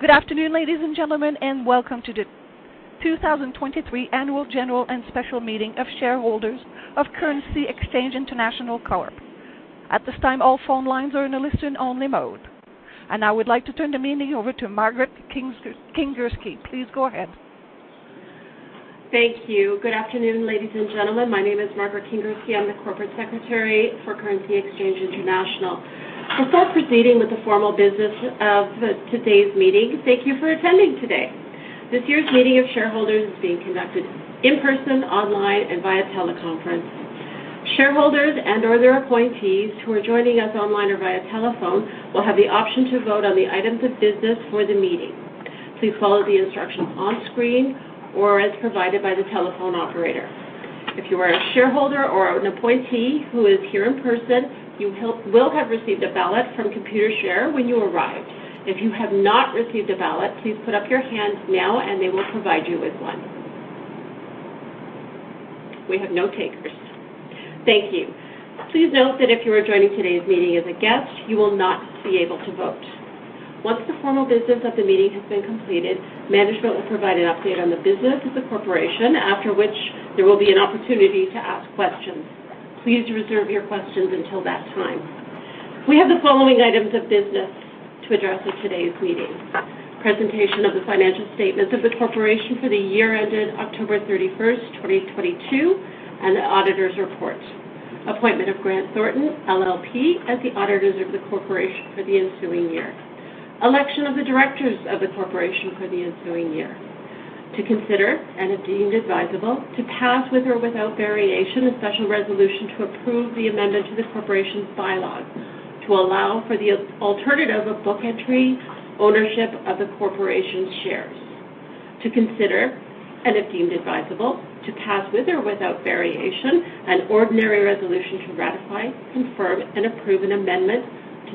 Good afternoon, ladies and gentlemen, and welcome to the 2023 Annual General and Special Meeting of Shareholders Currency Exchange International, Corp. At this time, all phone lines are in a listen-only mode. I would like to turn the meeting over to Margaret Kingerski. Please go ahead. Thank you. Good afternoon, ladies and gentlemen. My name is Margaret Kingerski. I'm the Corporate Secretary for Currency Exchange International. Before proceeding with the formal business of today's meeting, thank you for attending today. This year's meeting of shareholders is being conducted in person, online and via teleconference. Shareholders and/or their appointees who are joining us online or via telephone will have the option to vote on the items of business for the meeting. Please follow the instructions on screen or as provided by the telephone operator. If you are a shareholder or an appointee who is here in person, you will have received a ballot from Computershare when you arrived. If you have not received a ballot, please put up your hand now, and they will provide you with one. We have no takers. Thank you. Please note that if you are joining today's meeting as a guest, you will not be able to vote. Once the formal business of the meeting has been completed, management will provide an update on the business of the corporation, after which there will be an opportunity to ask questions. Please reserve your questions until that time. We have the following items of business to address at today's meeting. Presentation of the financial statements of the corporation for the year ended October 31st, 2022, and the auditor's report. Appointment of Grant Thornton LLP as the auditors of the corporation for the ensuing year. Election of the directors of the corporation for the ensuing year. To consider, and if deemed advisable, to pass, with or without variation, a special resolution to approve the amendment to the corporation's bylaws to allow for the alternative of book entry ownership of the corporation's shares. To consider, and if deemed advisable, to pass, with or without variation, an ordinary resolution to ratify, confirm and approve an amendment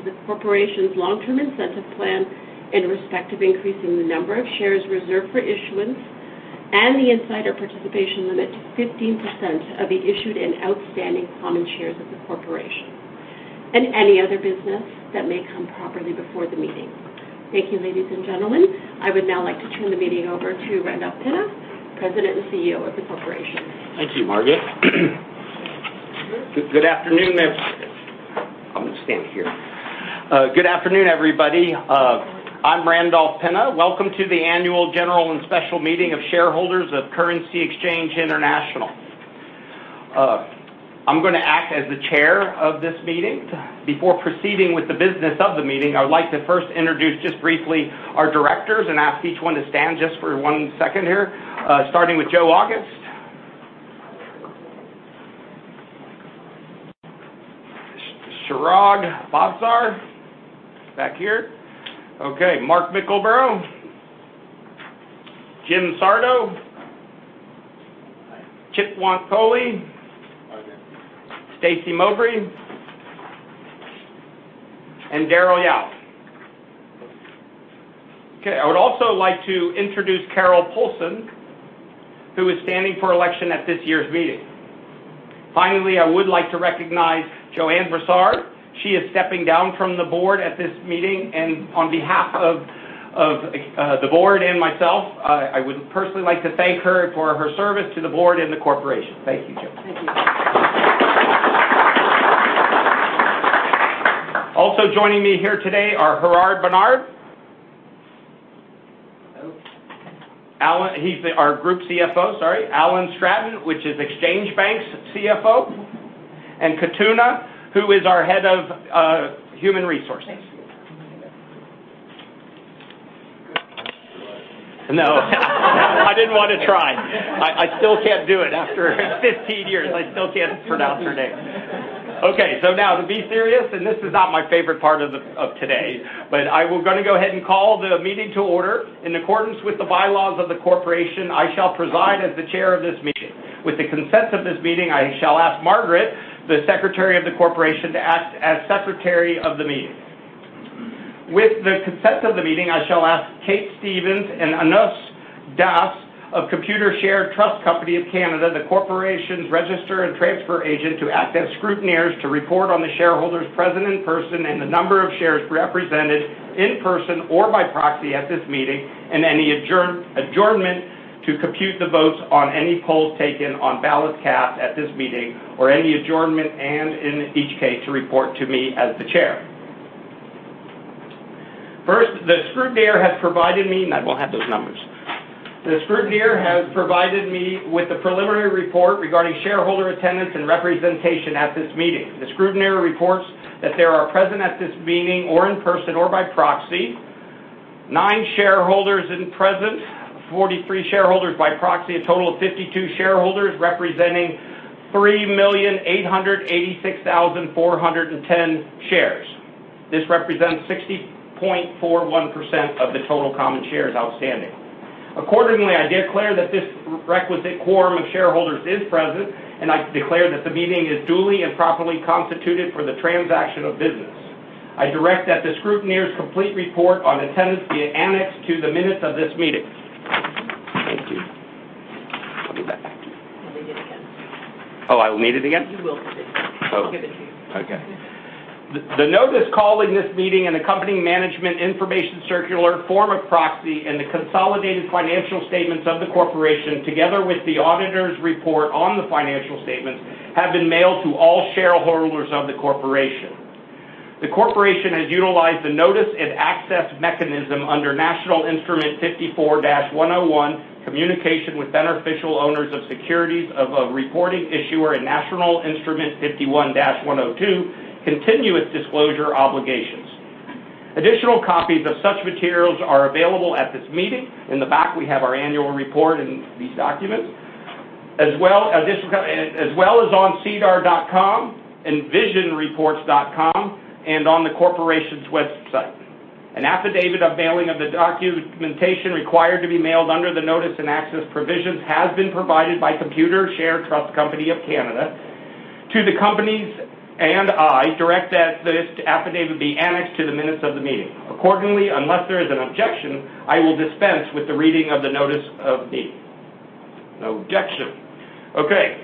to the corporation's long-term incentive plan in respect of increasing the number of shares reserved for issuance and the insider participation limit to 15% of the issued and outstanding common shares of the corporation. Any other business that may come properly before the meeting. Thank you, ladies and gentlemen. I would now like to turn the meeting over to Randolph Pinna, President and CEO of the corporation. Thank you, Margaret. I'm gonna stand here. Good afternoon, everybody. I'm Randolph Pinna. Welcome to the Annual General and Special Meeting of Shareholders of Currency Exchange International. I'm gonna act as the chair of this meeting. Before proceeding with the business of the meeting, I would like to first introduce, just briefly, our directors and ask each one to stand just for one second here. Starting with Joe August. Chirag Bhavsar, back here. Okay. Mark Mickleborough. Jim Sardo. Chitwant Kohli. Stacey Mowbray. Daryl Yeo. Okay. I would also like to introduce Carol Poulsen, who is standing for election at this year's meeting. Finally, I would like to recognize Johanne Brossard. She is stepping down from the board at this meeting, and on behalf of the board and myself, I would personally like to thank her for her service to the board and the corporation. Thank you, Johanne. Thank you. Joining me here today are Gerhard Barnard. He's our Group CFO. Sorry. Alan Stratton, which is Exchange Bank's CFO. Khatuna, who is our head of human resources. Thank you. No. I didn't want to try. I still can't do it after 15 years. I still can't pronounce her name. Okay, so now, to be serious, and this is not my favorite part of today, but gonna go ahead and call the meeting to order. In accordance with the bylaws of the corporation, I shall preside as the Chair of this meeting. With the consent of this meeting, I shall ask Margaret, the Secretary of the corporation, to act as Secretary of the meeting. With the consent of the meeting, I shall ask Kate Stevens and Anup Das of Computershare Trust Company of Canada, the corporation's registrar and transfer agent, to act as scrutineers to report on the shareholders present in person and the number of shares represented in person or by proxy at this meeting and any adjournment to compute the votes on any polls taken on ballots cast at this meeting or any adjournment, and in each case to report to me as the chair. First, the scrutineer has provided me with the preliminary report regarding shareholder attendance and representation at this meeting. The scrutineer reports that there are present at this meeting, in person or by proxy, nine shareholders in person, 43 shareholders by proxy, a total of 52 shareholders representing 3,886,410 shares. This represents 60.41% of the total common shares outstanding. Accordingly, I declare that this requisite quorum of shareholders is present, and I declare that the meeting is duly and properly constituted for the transaction of business. I direct that the scrutineer's complete report on attendance be annexed to the minutes of this meeting. Oh, I will need it again? You will need it. Oh. I'll give it to you. Okay. The notice calling this meeting and accompanying management information circular form of proxy and the consolidated financial statements of the corporation, together with the auditor's report on the financial statements, have been mailed to all shareholders of the corporation. The corporation has utilized the notice and access mechanism under National Instrument 54-101, Communication with Beneficial Owners of Securities of a Reporting Issuer and National Instrument 51-102, Continuous Disclosure Obligations. Additional copies of such materials are available at this meeting. In the back, we have our annual report and these documents, as well as on sedar.com and envisionreports.com and on the corporation's website. An affidavit of mailing of the documentation required to be mailed under the notice and access provisions has been provided by Computershare Trust Company of Canada to the company, and I direct that this affidavit be annexed to the minutes of the meeting. Accordingly, unless there is an objection, I will dispense with the reading of the notice of the meeting. No objection. Okay.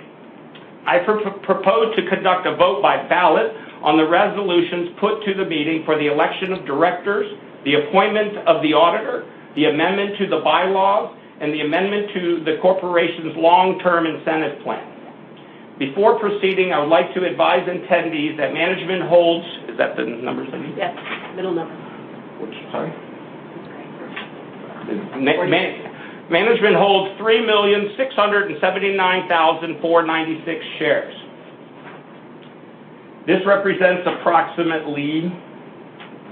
I propose to conduct a vote by ballot on the resolutions put to the meeting for the election of directors, the appointment of the auditor, the amendment to the bylaws, and the amendment to the corporation's long-term incentive plan. Before proceeding, I would like to advise attendees that management holds. Is that the numbers I need? Yes. Middle number. Which? Sorry. It's okay. Management holds 3,679,496 shares. This represents approximately?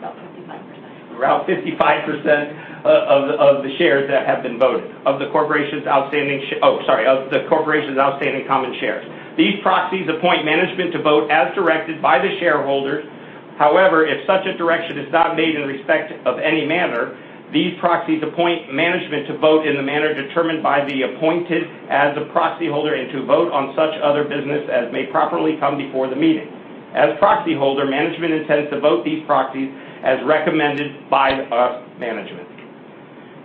About 55%. Around 55% of the corporation's outstanding common shares have been voted. These proxies appoint management to vote as directed by the shareholders. However, if such a direction is not made in respect of any matter, these proxies appoint management to vote in the manner determined by management as the proxy holder, and to vote on such other business as may properly come before the meeting. As proxy holder, management intends to vote these proxies as recommended by the management.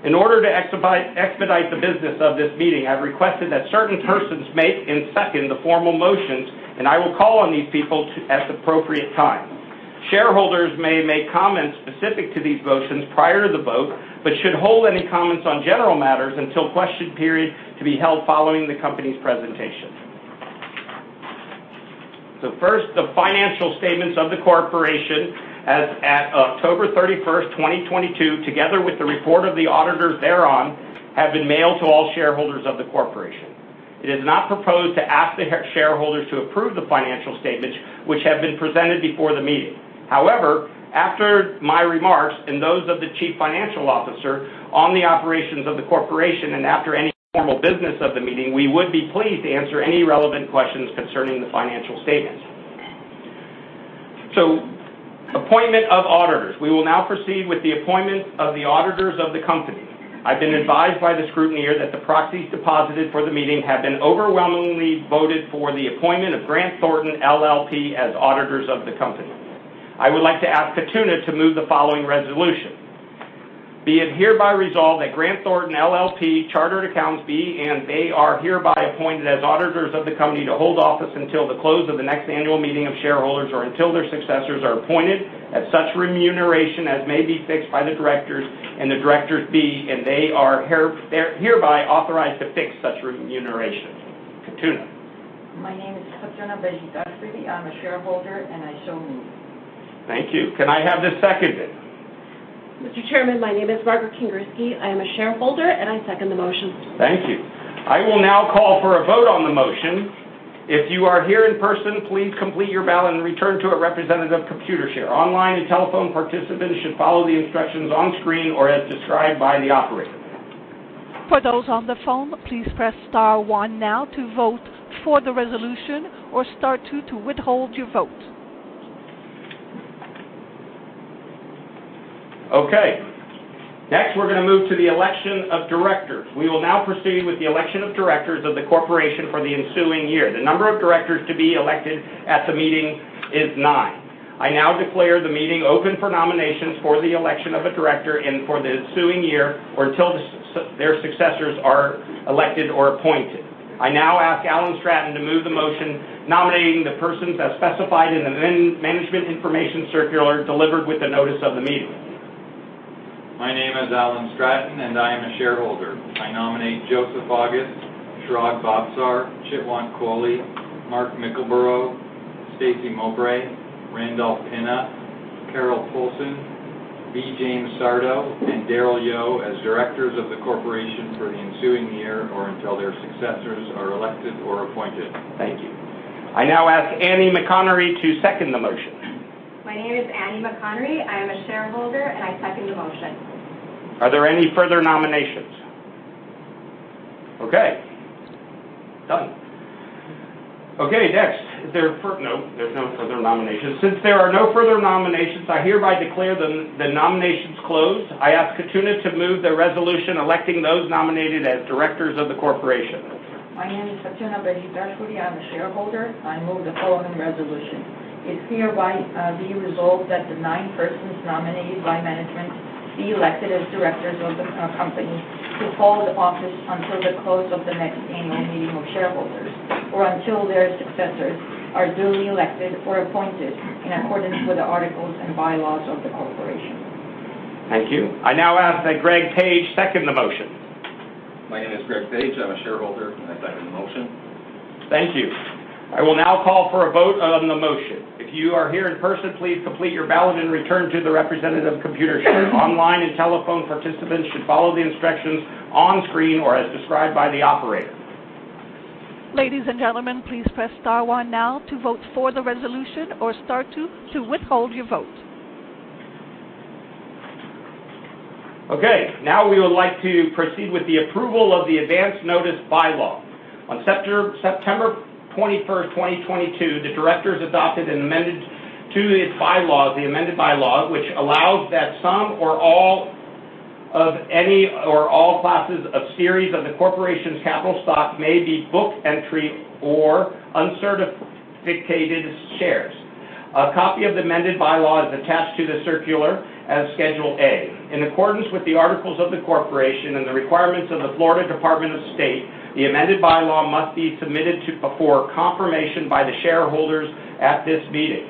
In order to expedite the business of this meeting, I've requested that certain persons make and second the formal motions, and I will call on these people at the appropriate time. Shareholders may make comments specific to these motions prior to the vote but should hold any comments on general matters until question period to be held following the company's presentation. First, the financial statements of the corporation as at October 31st, 2022, together with the report of the auditors thereon, have been mailed to all shareholders of the corporation. It is not proposed to ask the shareholders to approve the financial statements which have been presented before the meeting. However, after my remarks and those of the Chief Financial Officer on the operations of the corporation, and after any formal business of the meeting, we would be pleased to answer any relevant questions concerning the financial statements. Appointment of auditors. We will now proceed with the appointment of the auditors of the company. I've been advised by the scrutineer that the proxies deposited for the meeting have been overwhelmingly voted for the appointment of Grant Thornton LLP as auditors of the company. I would like to ask Khatuna to move the following resolution. Be it hereby resolved that Grant Thornton LLP, Chartered Accountants, be and they are hereby appointed as auditors of the company to hold office until the close of the next annual meeting of shareholders or until their successors are appointed, at such remuneration as may be fixed by the directors, and the directors be, and they are hereby authorized to fix such remuneration. Khatuna. My name is Khatuna Bezhitashvili. I'm a shareholder, and I so move. Thank you. Can I have this seconded? Mr. Chairman, my name is Margaret Kingerski. I am a shareholder, and I second the motion. Thank you. I will now call for a vote on the motion. If you are here in person, please complete your ballot and return to a representative of Computershare. Online and telephone participants should follow the instructions on screen or as described by the Operator. For those on the phone, please press star one now to vote for the resolution, or star two to withhold your vote. Okay. Next, we're going to move to the election of directors. We will now proceed with the election of directors of the corporation for the ensuing year. The number of directors to be elected at the meeting is nine. I now declare the meeting open for nominations for the election of a director and for the ensuing year or until their successors are elected or appointed. I now ask Alan Stratton to move the motion nominating the persons as specified in the management information circular delivered with the notice of the meeting. My name is Alan Stratton, and I am a shareholder. I nominate Joseph August, Chirag Bhavsar, Chitwan Kohli, Mark Mickleborough, Stacey Mowbray, Randolph Pinna, Carol Poulsen, V. James Sardo, and Daryl Yeo as directors of the corporation for the ensuing year or until their successors are elected or appointed. Thank you. I now ask Anny McConnery to second the motion. My name is Anny McConnery. I am a shareholder, and I second the motion. Are there any further nominations? Okay. Done. Okay. Next. No, there's no further nominations. Since there are no further nominations, I hereby declare the nominations closed. I ask Khatuna to move the resolution electing those nominated as directors of the corporation. My name is Khatuna Bezhitashvili. I'm a shareholder. I move the following resolution. It hereby be resolved that the nine persons nominated by management be elected as directors of the company to hold office until the close of the next annual meeting of shareholders. Until their successors are duly elected or appointed in accordance with the articles and bylaws of the corporation. Thank you. I now ask that Greg Page second the motion. My name is Greg Page. I'm a shareholder, and I second the motion. Thank you. I will now call for a vote on the motion. If you are here in person, please complete your ballot and return to the representative of Computershare. Online and telephone participants should follow the instructions on screen or as described by the Operator. Ladies and gentlemen, please press star one now to vote for the resolution or star two to withhold your vote. Okay. Now we would like to proceed with the approval of the amended bylaw. On September 21st, 2022, the directors adopted an amendment to its bylaw, the amended bylaw, which allows that some or all of any or all classes or series of the corporation's capital stock may be book entry or uncertificated shares. A copy of the amended bylaw is attached to the circular as Schedule A. In accordance with the articles of the corporation and the requirements of the Florida Department of State, the amended bylaw must be submitted for confirmation by the shareholders at this meeting.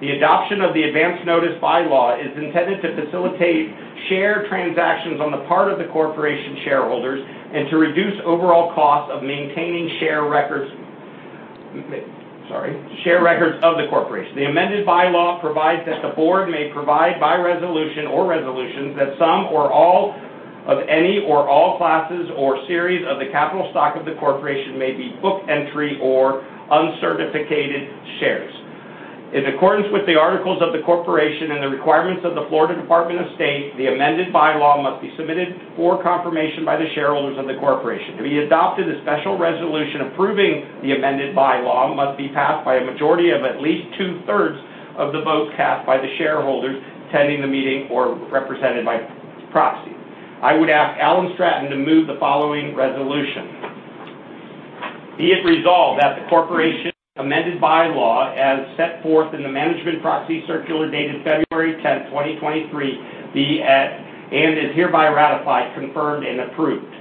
The adoption of the amended bylaw is intended to facilitate share transactions on the part of the corporation shareholders and to reduce overall costs of maintaining share records of the corporation. The amended bylaw provides that the board may provide by resolution or resolutions that some or all of any or all classes or series of the capital stock of the corporation may be book entry or uncertificated shares. In accordance with the articles of the corporation and the requirements of the Florida Department of State, the amended bylaw must be submitted for confirmation by the shareholders of the corporation. To be adopted, a special resolution approving the amended bylaw must be passed by a majority of at least two-thirds of the votes cast by the shareholders attending the meeting or represented by proxy. I would ask Alan Stratton to move the following resolution. Be it resolved that the corporation amended bylaw, as set forth in the Management Proxy Circular dated February 10th, 2023, be added and is hereby ratified, confirmed, and approved.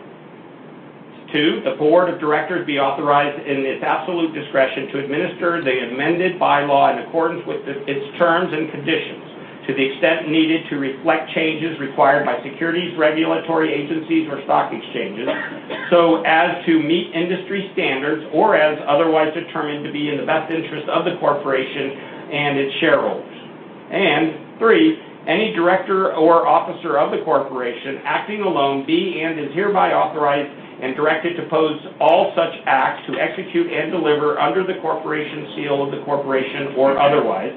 Two, the board of directors be authorized in its absolute discretion to administer the amended bylaw in accordance with its terms and conditions to the extent needed to reflect changes required by securities regulatory agencies or stock exchanges so as to meet industry standards or as otherwise determined to be in the best interest of the corporation and its shareholders. Three, any director or officer of the corporation, acting alone, be and is hereby authorized and directed to do all such acts to execute and deliver under the corporate seal of the corporation or otherwise,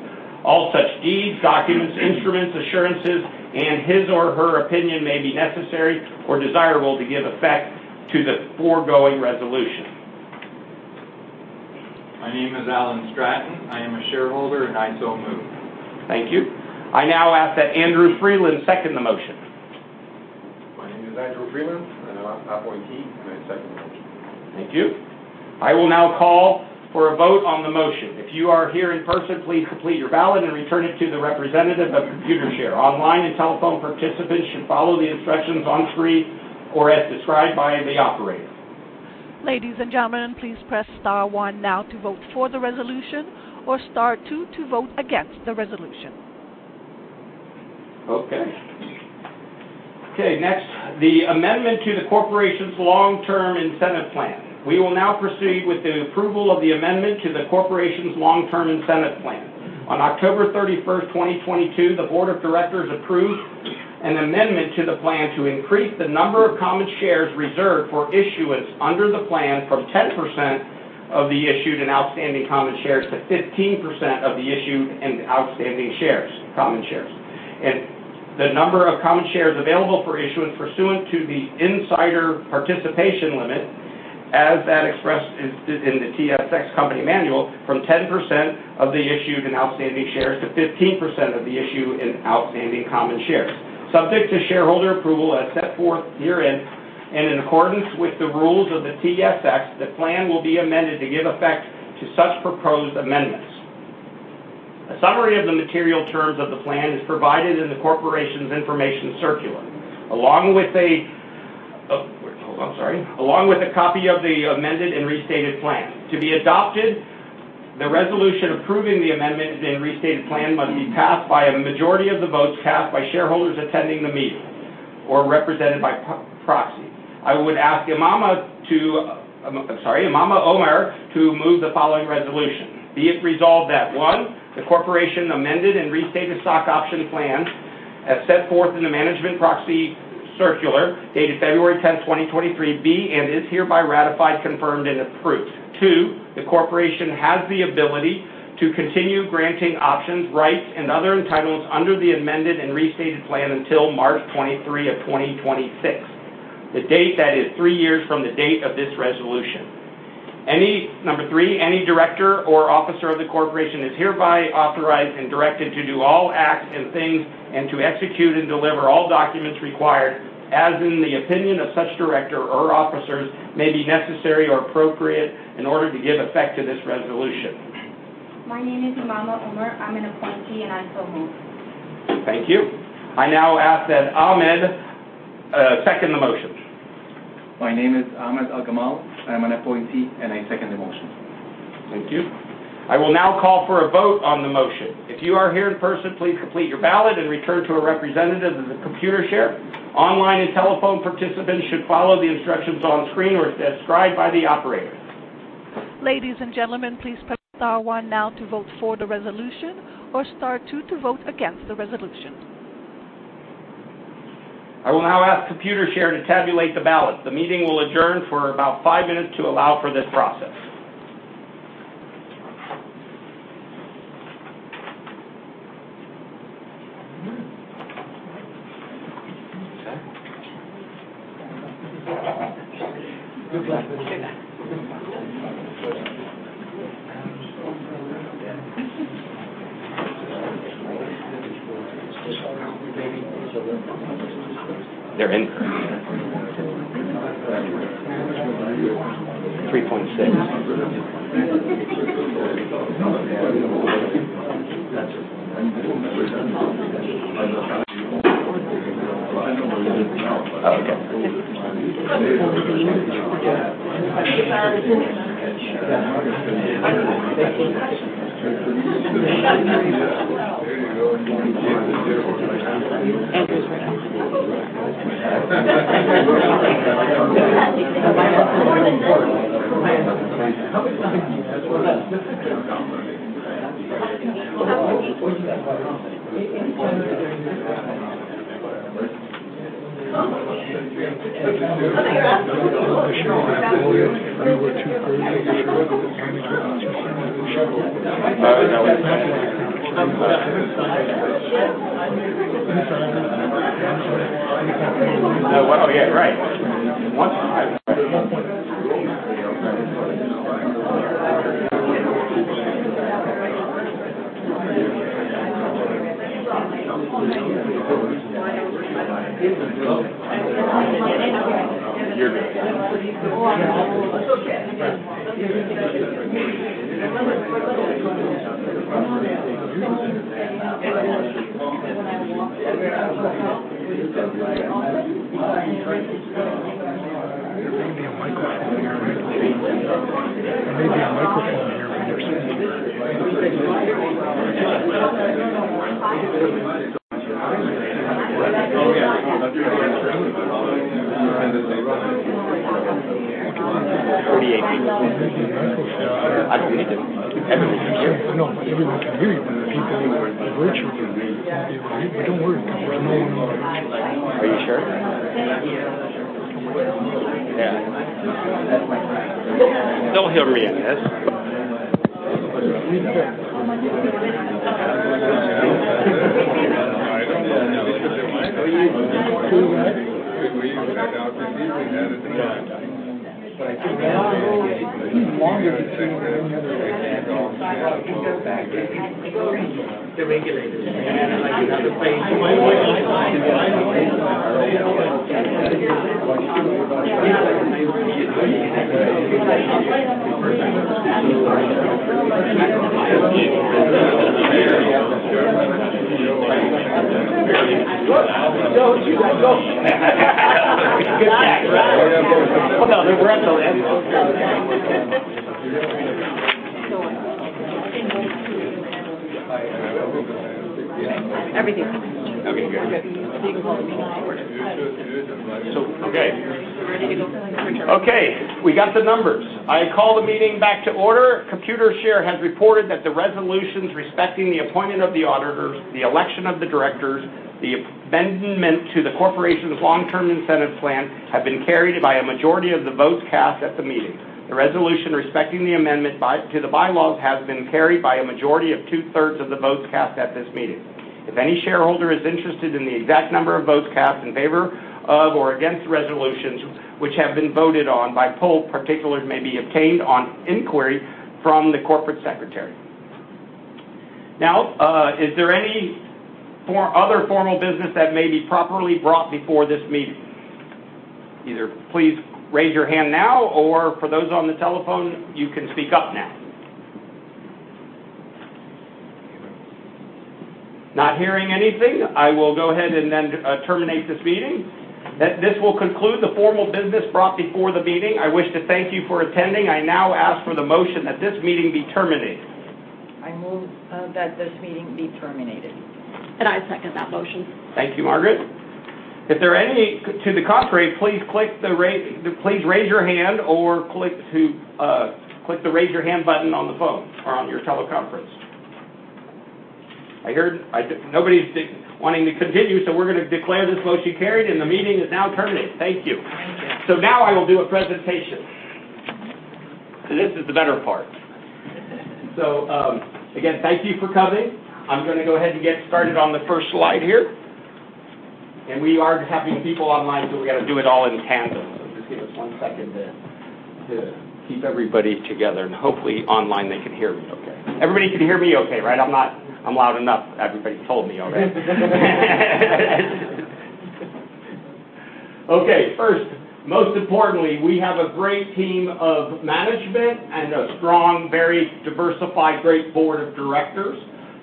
all such deeds, documents, instruments, assurances, and in his or her opinion may be necessary or desirable to give effect to the foregoing resolution. My name is Alan Stratton. I am a shareholder, and I so move. Thank you. I now ask that Andrew Freeland second the motion. My name is Andrew Freeland, and I'm an Appointee, and I second the motion. Thank you. I will now call for a vote on the motion. If you are here in person, please complete your ballot and return it to the representative of Computershare. Online and telephone participants should follow the instructions on screen or as described by the operator. Ladies and gentlemen, please press star one now to vote for the resolution or star two to vote against the resolution. Okay. Okay, next, the amendment to the corporation's long-term incentive plan. We will now proceed with the approval of the amendment to the corporation's long-term incentive plan. On October 31st, 2022, the Board of Directors approved an amendment to the plan to increase the number of common shares reserved for issuance under the plan from 10% of the issued and outstanding common shares to 15% of the issued and outstanding common shares. The number of common shares available for issuance pursuant to the insider participation limit, as that expressed in the TSX Company Manual, from 10% of the issued and outstanding shares to 15% of the issued and outstanding common shares. Subject to shareholder approval as set forth herein and in accordance with the rules of the TSX, the plan will be amended to give effect to such proposed amendments. A summary of the material terms of the plan is provided in the Corporation's information circular, along with a copy of the amended and restated plan. To be adopted, the resolution approving the amendment to the restated plan must be passed by a majority of the votes cast by shareholders attending the meeting or represented by proxy. I would ask Imama Omer to move the following resolution. Be it resolved that, one, the Corporation amended and restated stock option plan, as set forth in the management proxy circular dated February 10th, 2023, be and is hereby ratified, confirmed, and approved. Two, the Corporation has the ability to continue granting options, rights, and other entitlements under the amended and restated plan until March 23, 2026, the date that is three years from the date of this resolution. Number three, any director or officer of the corporation is hereby authorized and directed to do all acts and things and to execute and deliver all documents required, as in the opinion of such director or officers may be necessary or appropriate in order to give effect to this resolution. My name is Imama Omer. I'm an appointee, and I so move. Thank you. I now ask that Ahmed second the motion. My name is Ahmed Algamal, I'm an appointee, and I second the motion. Thank you. I will now call for a vote on the motion. If you are here in person, please complete your ballot and return to a representative of Computershare. Online and telephone participants should follow the instructions on screen or as described by the operator. Ladies and gentlemen, please press star one now to vote for the resolution or star two to vote against the resolution. I will now ask Computershare to tabulate the ballot. The meeting will adjourn for about five minutes to allow for this process. Okay. We got the numbers. I call the meeting back to order. Computershare has reported that the resolutions respecting the appointment of the auditors, the election of the directors, the amendment to the corporation's long-term incentive plan have been carried by a majority of the votes cast at the meeting. The resolution respecting the amendment to the bylaws has been carried by a majority of two-thirds of the votes cast at this meeting. If any shareholder is interested in the exact number of votes cast in favor of or against the resolutions which have been voted on by poll, particulars may be obtained on inquiry from the corporate secretary. Now, is there any other formal business that may be properly brought before this meeting? Either please raise your hand now, or for those on the telephone, you can speak up now. Not hearing anything, I will go ahead and then terminate this meeting. This will conclude the formal business brought before the meeting. I wish to thank you for attending. I now ask for the motion that this meeting be terminated. I move that this meeting be terminated. I second that motion. Thank you, Margaret. To the contrary, please raise your hand or click the raise your hand button on the phone or on your teleconference. Nobody's wanting to continue, so we're going to declare this motion carried and the meeting is now terminated. Thank you. Thank you. Now I will do a presentation. This is the better part. Again, thank you for coming. I'm going to go ahead and get started on the first slide here. We are having people online, so we got to do it all in tandem. Just give us one second to keep everybody together, and hopefully online, they can hear me okay. Everybody can hear me okay, right? I'm loud enough. Everybody's told me already. Okay. First, most importantly, we have a great team of management and a strong, very diversified, great board of directors.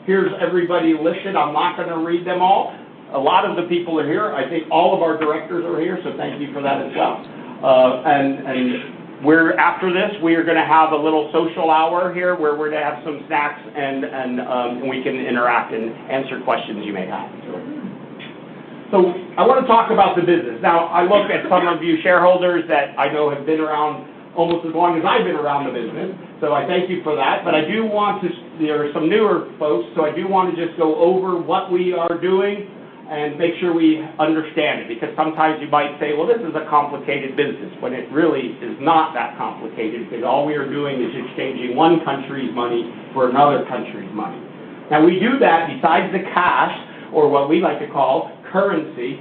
Here's everybody listed. I'm not going to read them all. A lot of the people are here. I think all of our directors are here, so thank you for that as well. After this, we are going to have a little social hour here, where we're going to have some snacks, and we can interact and answer questions you may have. I want to talk about the business. Now, I look at some of you shareholders that I know have been around almost as long as I've been around the business, so I thank you for that. There are some newer folks, so I do want to just go over what we are doing and make sure we understand it, because sometimes you might say, "Well, this is a complicated business," when it really is not that complicated, because all we are doing is exchanging one country's money for another country's money. Now we do that besides the cash, or what we like to call currency.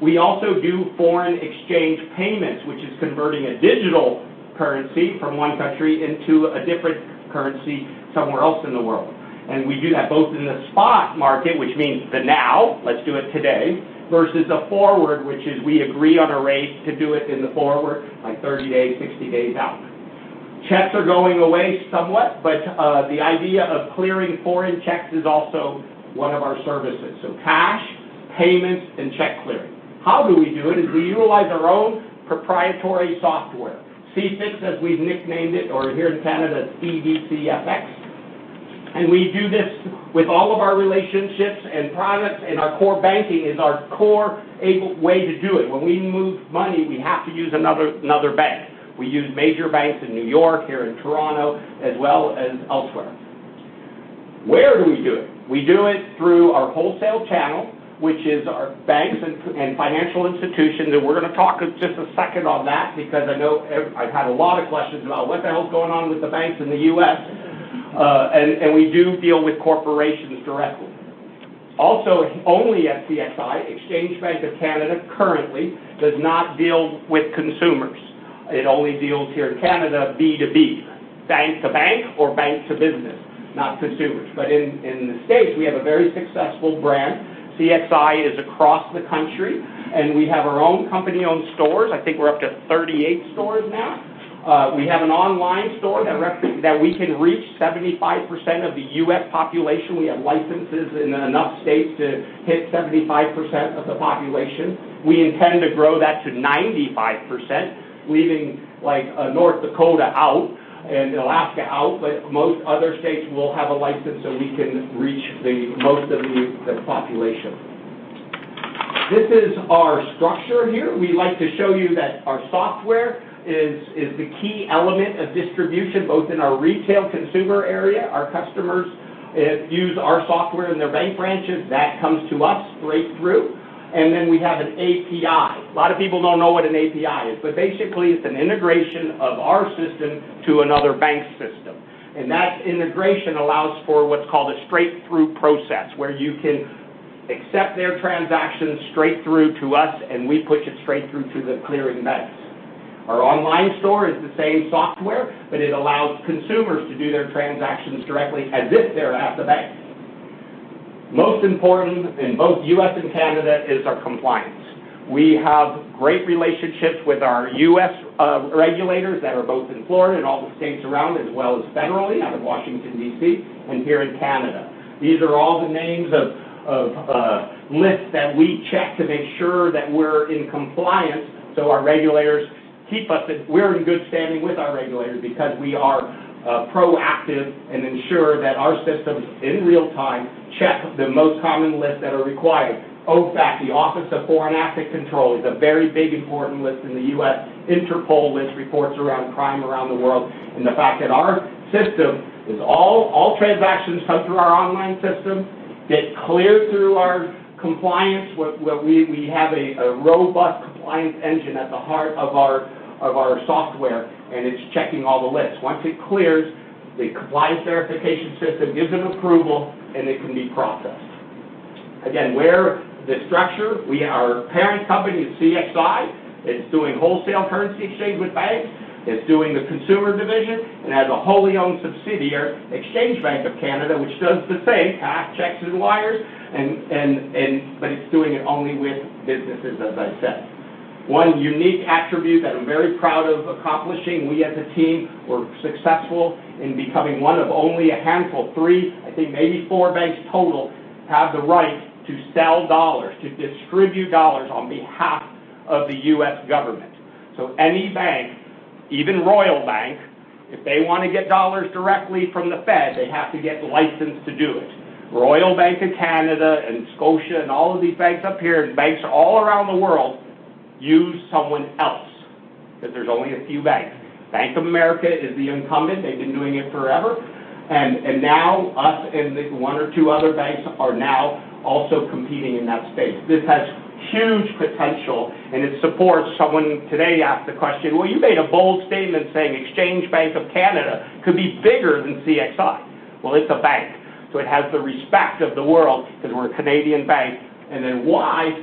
We also do foreign exchange payments, which is converting a digital currency from one country into a different currency somewhere else in the world. We do that both in the spot market, which means the now, let's do it today, versus a forward, which is we agree on a rate to do it in the forward, like 30 days, 60 days out. Checks are going away somewhat, but the idea of clearing foreign checks is also one of our services. Cash, payments, and check clearing. How do we do it? We utilize our own proprietary software, CEIFX, as we've nicknamed it, or here in Canada, CEIFX. We do this with all of our relationships and products, and our core banking is our core way to do it. When we move money, we have to use another bank. We use major banks in New York, here in Toronto, as well as elsewhere. Where do we do it? We do it through our wholesale channel, which is our banks and financial institutions, and we're going to talk in just a second on that, because I know I've had a lot of questions about what the hell is going on with the banks in the U.S., and we do deal with corporations directly. Also, only at CXI, Exchange Bank of Canada currently does not deal with consumers. It only deals here in Canada, B2B, bank to bank or bank to business, not consumers. In the States, we have a very successful brand. CXI is across the country, and we have our own company-owned stores. I think we're up to 38 stores now. We have an online store that we can reach 75% of the U.S. population. We have licenses in enough states to hit 75% of the population. We intend to grow that to 95%, leaving North Dakota out and Alaska out, but most other states will have a license so we can reach most of the population. This is our structure here. We like to show you that our software is the key element of distribution, both in our retail consumer area. Our customers use our software in their bank branches. That comes to us straight through. We have an API. A lot of people don't know what an API is, but basically, it's an integration of our system to another bank system. That integration allows for what's called a straight-through process, where you can accept their transactions straight through to us, and we push it straight through to the clearing banks. Our online store is the same software, but it allows consumers to do their transactions directly as if they're at the bank. Most important in both U.S. and Canada is our compliance. We have great relationships with our U.S. regulators that are both in Florida and all the states around, as well as federally out of Washington, D.C., and here in Canada. These are all the names of lists that we check to make sure that we're in compliance so our regulators keep us. We're in good standing with our regulators because we are proactive and ensure that our systems, in real time, check the most common lists that are required. OFAC, the Office of Foreign Assets Control, is a very big, important list in the U.S. Interpol lists reports around crime around the world. The fact that our system is all transactions come through our online system, get cleared through our compliance, where we have a robust compliance engine at the heart of our software, and it's checking all the lists. Once it clears, the compliance verification system gives an approval, and it can be processed. Again, where the structure, our parent company is CXI. It's doing wholesale currency exchange with banks. It's doing the consumer division and has a wholly owned subsidiary, Exchange Bank of Canada, which does the same, cash, checks, and wires, but it's doing it only with businesses, as I said. One unique attribute that I'm very proud of accomplishing, we as a team were successful in becoming one of only a handful, three, I think maybe four banks total, have the right to sell dollars, to distribute dollars on behalf of the U.S. government. Any bank, even Royal Bank, if they want to get dollars directly from the Fed, they have to get licensed to do it. Royal Bank of Canada and Scotia and all of these banks up here, and banks all around the world use someone else, because there's only a few banks. Bank of America is the incumbent. They've been doing it forever. Now us and I think one or two other banks are now also competing in that space. This has huge potential, and it supports. Someone today asked the question, "Well, you made a bold statement saying Exchange Bank of Canada could be bigger than CXI." Well, it's a bank, so it has the respect of the world because we're a Canadian bank. Then why?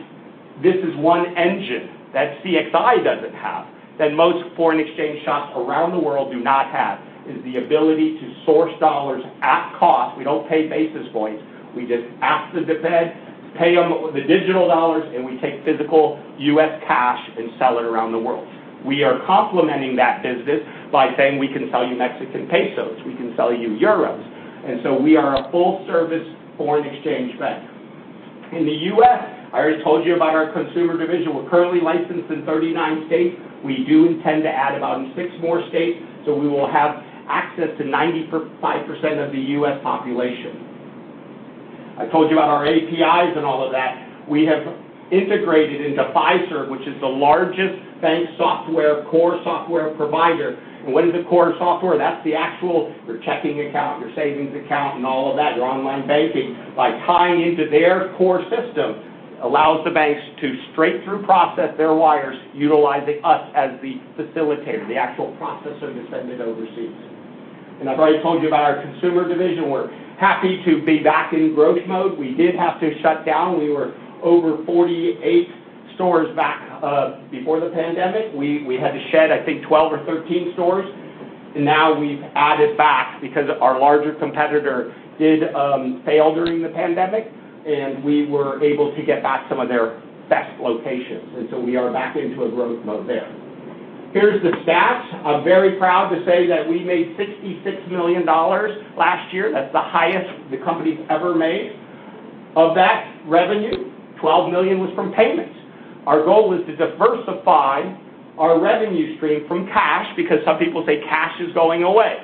This is one engine that CXI does have. That most foreign exchange shops around the world do not have is the ability to source dollars at cost. We don't pay basis points. We just ask to the Fed, pay them the digital dollars, and we take physical U.S. cash and sell it around the world. We are complementing that business by saying we can sell you Mexican pesos, we can sell you euros. We are a full-service foreign exchange bank. In the U.S., I already told you about our consumer division. We're currently licensed in 39 states. We do intend to add about six more states, so we will have access to 95% of the U.S. population. I told you about our APIs and all of that. We have integrated into Fiserv, which is the largest bank software, core software provider. What is a core software? That's the actual your checking account, your savings account and all of that, your online banking. By tying into their core system, allows the banks to straight through process their wires, utilizing us as the facilitator, the actual processor to send it overseas. I've already told you about our consumer division. We're happy to be back in growth mode. We did have to shut down. We were over 48 stores back before the pandemic. We had to shed, I think, 12 or 13 stores. Now we've added back because our larger competitor did fail during the pandemic, and we were able to get back some of their best locations. We are back into a growth mode there. Here's the stats. I'm very proud to say that we made $66 million last year. That's the highest the company's ever made. Of that revenue, $12 million was from payments. Our goal was to diversify our revenue stream from cash because some people say cash is going away.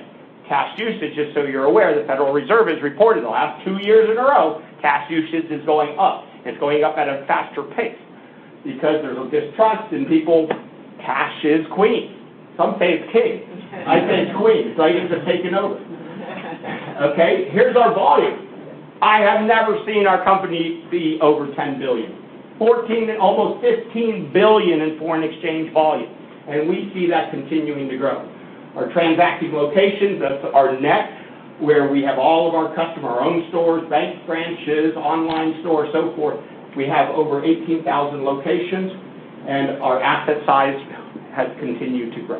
Cash usage, just so you're aware, the Federal Reserve has reported the last two years in a row, cash usage is going up. It's going up at a faster pace because there's no distrust in people. Cash is queen. Some say it's king. I say it's queen. It's like it's taking over. Okay. Here's our volume. I have never seen our company be over $10 billion. $14 and almost $15 billion in foreign exchange volume, and we see that continuing to grow. Our transacting locations, that's our net, where we have all of our customer, our own stores, bank branches, online stores, so forth. We have over 18,000 locations, and our asset size has continued to grow.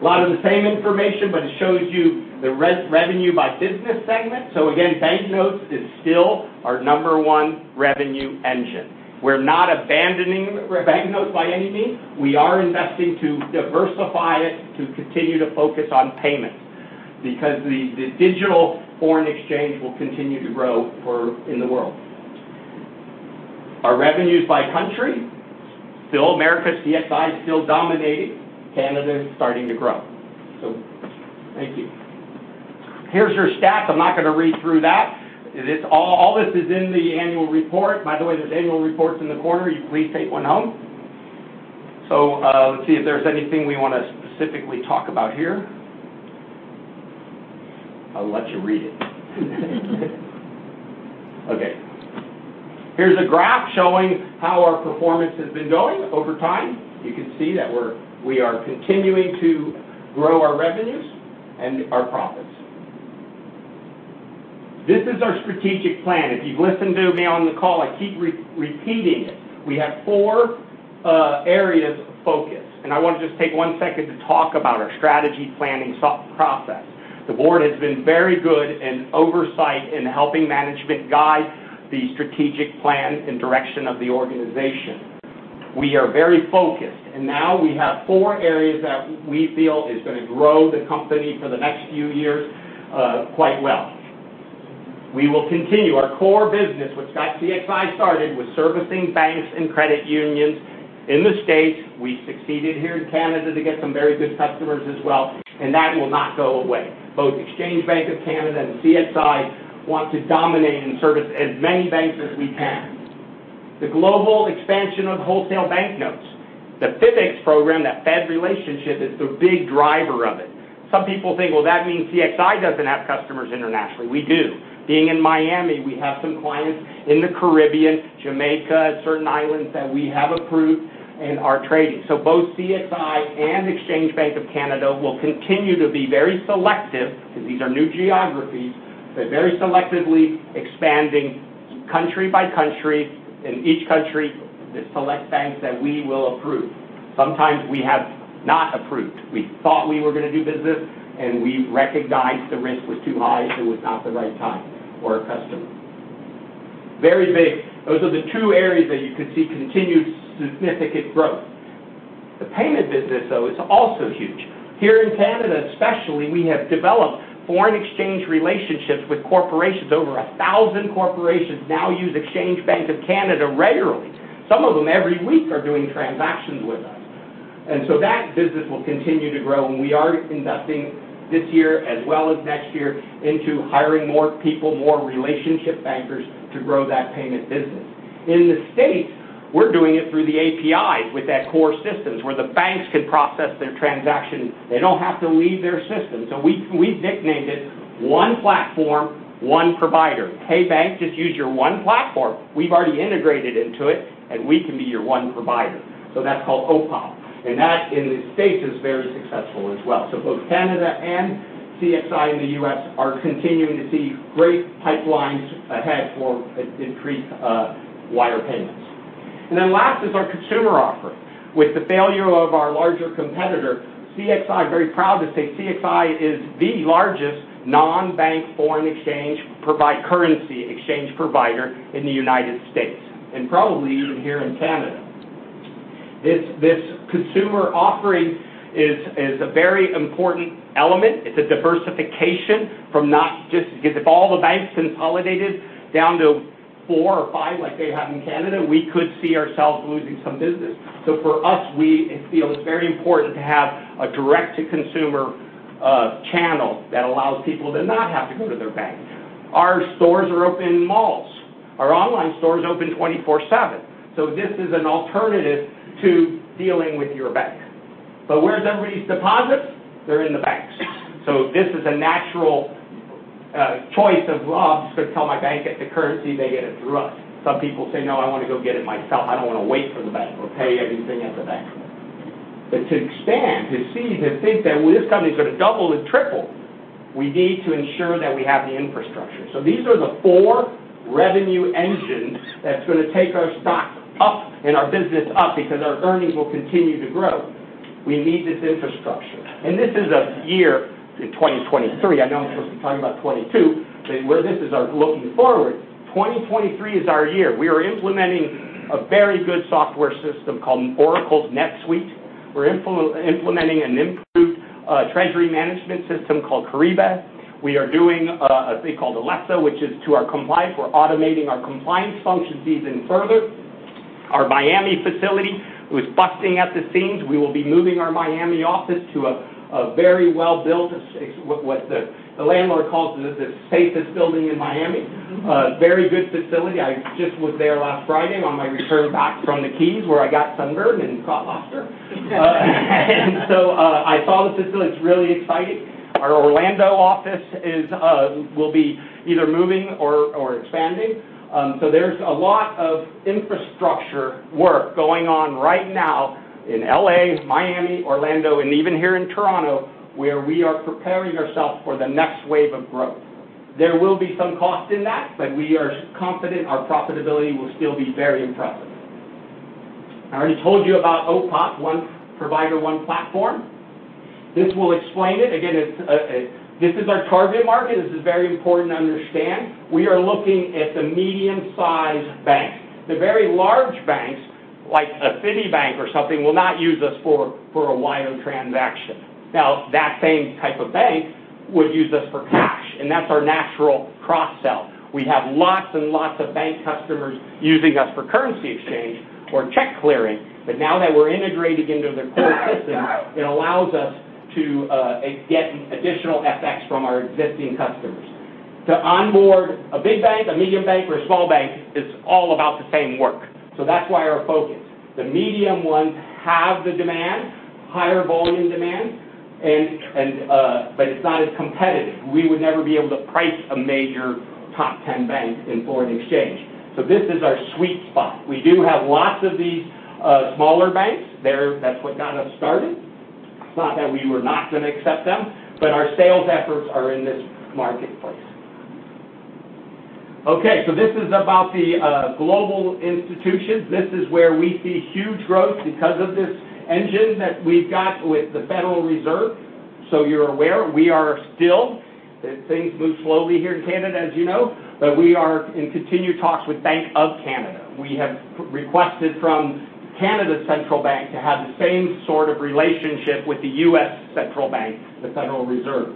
A lot of the same information, but it shows you the revenue by business segment. Again, banknotes is still our number one revenue engine. We're not abandoning banknotes by any means. We are investing to diversify it, to continue to focus on payments, because the digital foreign exchange will continue to grow in the world. Our revenues by country. Still America, CXI still dominating. Canada is starting to grow. Thank you. Here's your stats. I'm not going to read through that. All this is in the annual report. By the way, there's annual reports in the corner. You can please take one home. Let's see if there's anything we want to specifically talk about here. I'll let you read it. Okay. Here's a graph showing how our performance has been going over time. You can see that we are continuing to grow our revenues and our profits. This is our strategic plan. If you've listened to me on the call, I keep repeating it. We have four areas of focus, and I want to just take one second to talk about our strategy planning process. The board has been very good in oversight in helping management guide the strategic plan and direction of the organization. We are very focused, and now we have four areas that we feel is going to grow the company for the next few years quite well. We will continue our core business, which got CXI started, was servicing banks and credit unions in the States. We succeeded here in Canada to get some very good customers as well, and that will not go away. Both Exchange Bank of Canada and CXI want to dominate and service as many banks as we can. The global expansion of wholesale banknotes, the FiPEx program, that Fed relationship, is the big driver of it. Some people think, well, that means CXI doesn't have customers internationally. We do. Being in Miami, we have some clients in the Caribbean, Jamaica, certain islands that we have approved and are trading. Both CXI and Exchange Bank of Canada will continue to be very selective, because these are new geographies. They're very selectively expanding country by country. In each country, they select banks that we will approve. Sometimes we have not approved. We thought we were going to do business and we recognized the risk was too high, so it's not the right time for a customer. Very big. Those are the two areas that you could see continued significant growth. The payment business, though, is also huge. Here in Canada especially, we have developed foreign exchange relationships with corporations. Over 1,000 corporations now use Exchange Bank of Canada regularly. Some of them every week are doing transactions with us. That business will continue to grow. We are investing this year as well as next year into hiring more people, more relationship bankers, to grow that payment business. In the States, we're doing it through the APIs with that core systems where the banks can process their transaction. They don't have to leave their system. We've nicknamed it One Platform, One Provider. "Hey, bank, just use your one platform. We've already integrated into it, and we can be your one provider." That's called OPOP, and that in the States is very successful as well. Both Canada and CXI in the U.S. are continuing to see great pipelines ahead for increased wire payments. Last is our consumer offering. With the failure of our larger competitor. We are very proud to say CXI is the largest non-bank foreign exchange currency exchange provider in the United States, and probably even here in Canada. This consumer offering is a very important element. It's a diversification because if all the banks consolidated down to four or five like they have in Canada, we could see ourselves losing some business. For us, we feel it's very important to have a direct-to-consumer channel that allows people to not have to go to their bank. Our stores are open in malls. Our online store is open 24/7. This is an alternative to dealing with your bank. Where's everybody's deposits? They're in the banks. This is a natural choice of, "Well, I'm just going to tell my bank get the currency." They get it through us. Some people say, "No, I want to go get it myself. I don't want to wait for the bank or pay anything at the bank." To expand, to see, to think that, well, this company's going to double and triple, we need to ensure that we have the infrastructure. These are the four revenue engines that's going to take our stock up and our business up because our earnings will continue to grow. We need this infrastructure. This is a year in 2023. I know I'm supposed to be talking about 2022, but where this is our looking forward, 2023 is our year. We are implementing a very good software system called Oracle NetSuite. We're implementing an improved treasury management system called Kyriba. We are doing a thing called Alessa, which is to our compliance. We're automating our compliance functions even further. Our Miami facility was bursting at the seams. We will be moving our Miami office to a very well-built, what the landlord calls the safest building in Miami. A very good facility. I just was there last Friday on my return back from the Keys, where I got sunburned and caught lobster. I saw the facility. It's really exciting. Our Orlando office will be either moving or expanding. There's a lot of infrastructure work going on right now in L.A., Miami, Orlando, and even here in Toronto, where we are preparing ourselves for the next wave of growth. There will be some cost in that, but we are confident our profitability will still be very impressive. I already told you about OPOP, One Provider, One Platform. This will explain it. Again, this is our target market. This is very important to understand. We are looking at the medium-sized bank. The very large banks, like a Citibank or something, will not use us for a wire transaction. Now, that same type of bank would use us for cash, and that's our natural cross-sell. We have lots and lots of bank customers using us for currency exchange or check clearing. Now that we're integrated into their core system, it allows us to get additional FX from our existing customers. To onboard a big bank, a medium bank, or a small bank, it's all about the same work. That's why our focus. The medium ones have the demand, higher volume demand, but it's not as competitive. We would never be able to price a major top ten bank in foreign exchange. This is our sweet spot. We do have lots of these smaller banks. That's what got us started. It's not that we were not going to accept them, but our sales efforts are in this marketplace. Okay, this is about the global institutions. This is where we see huge growth because of this engine that we've got with the Federal Reserve. You're aware, things move slowly here in Canada, as you know. We are in continued talks with Bank of Canada. We have requested from Canada's central bank to have the same sort of relationship with the U.S. central bank, the Federal Reserve.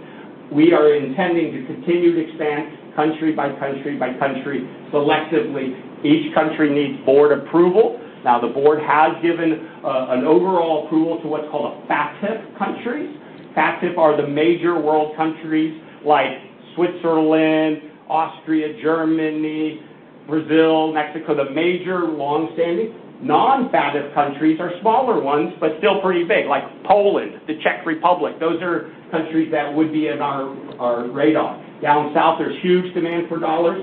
We are intending to continue to expand country by country by country selectively. Each country needs board approval. Now, the board has given an overall approval to what's called a FATF country. FATF are the major world countries like Switzerland, Austria, Germany, Brazil, Mexico, the major long-standing. Non-FATF countries are smaller ones, but still pretty big, like Poland, the Czech Republic. Those are countries that would be in our radar. Down south, there's huge demand for dollars.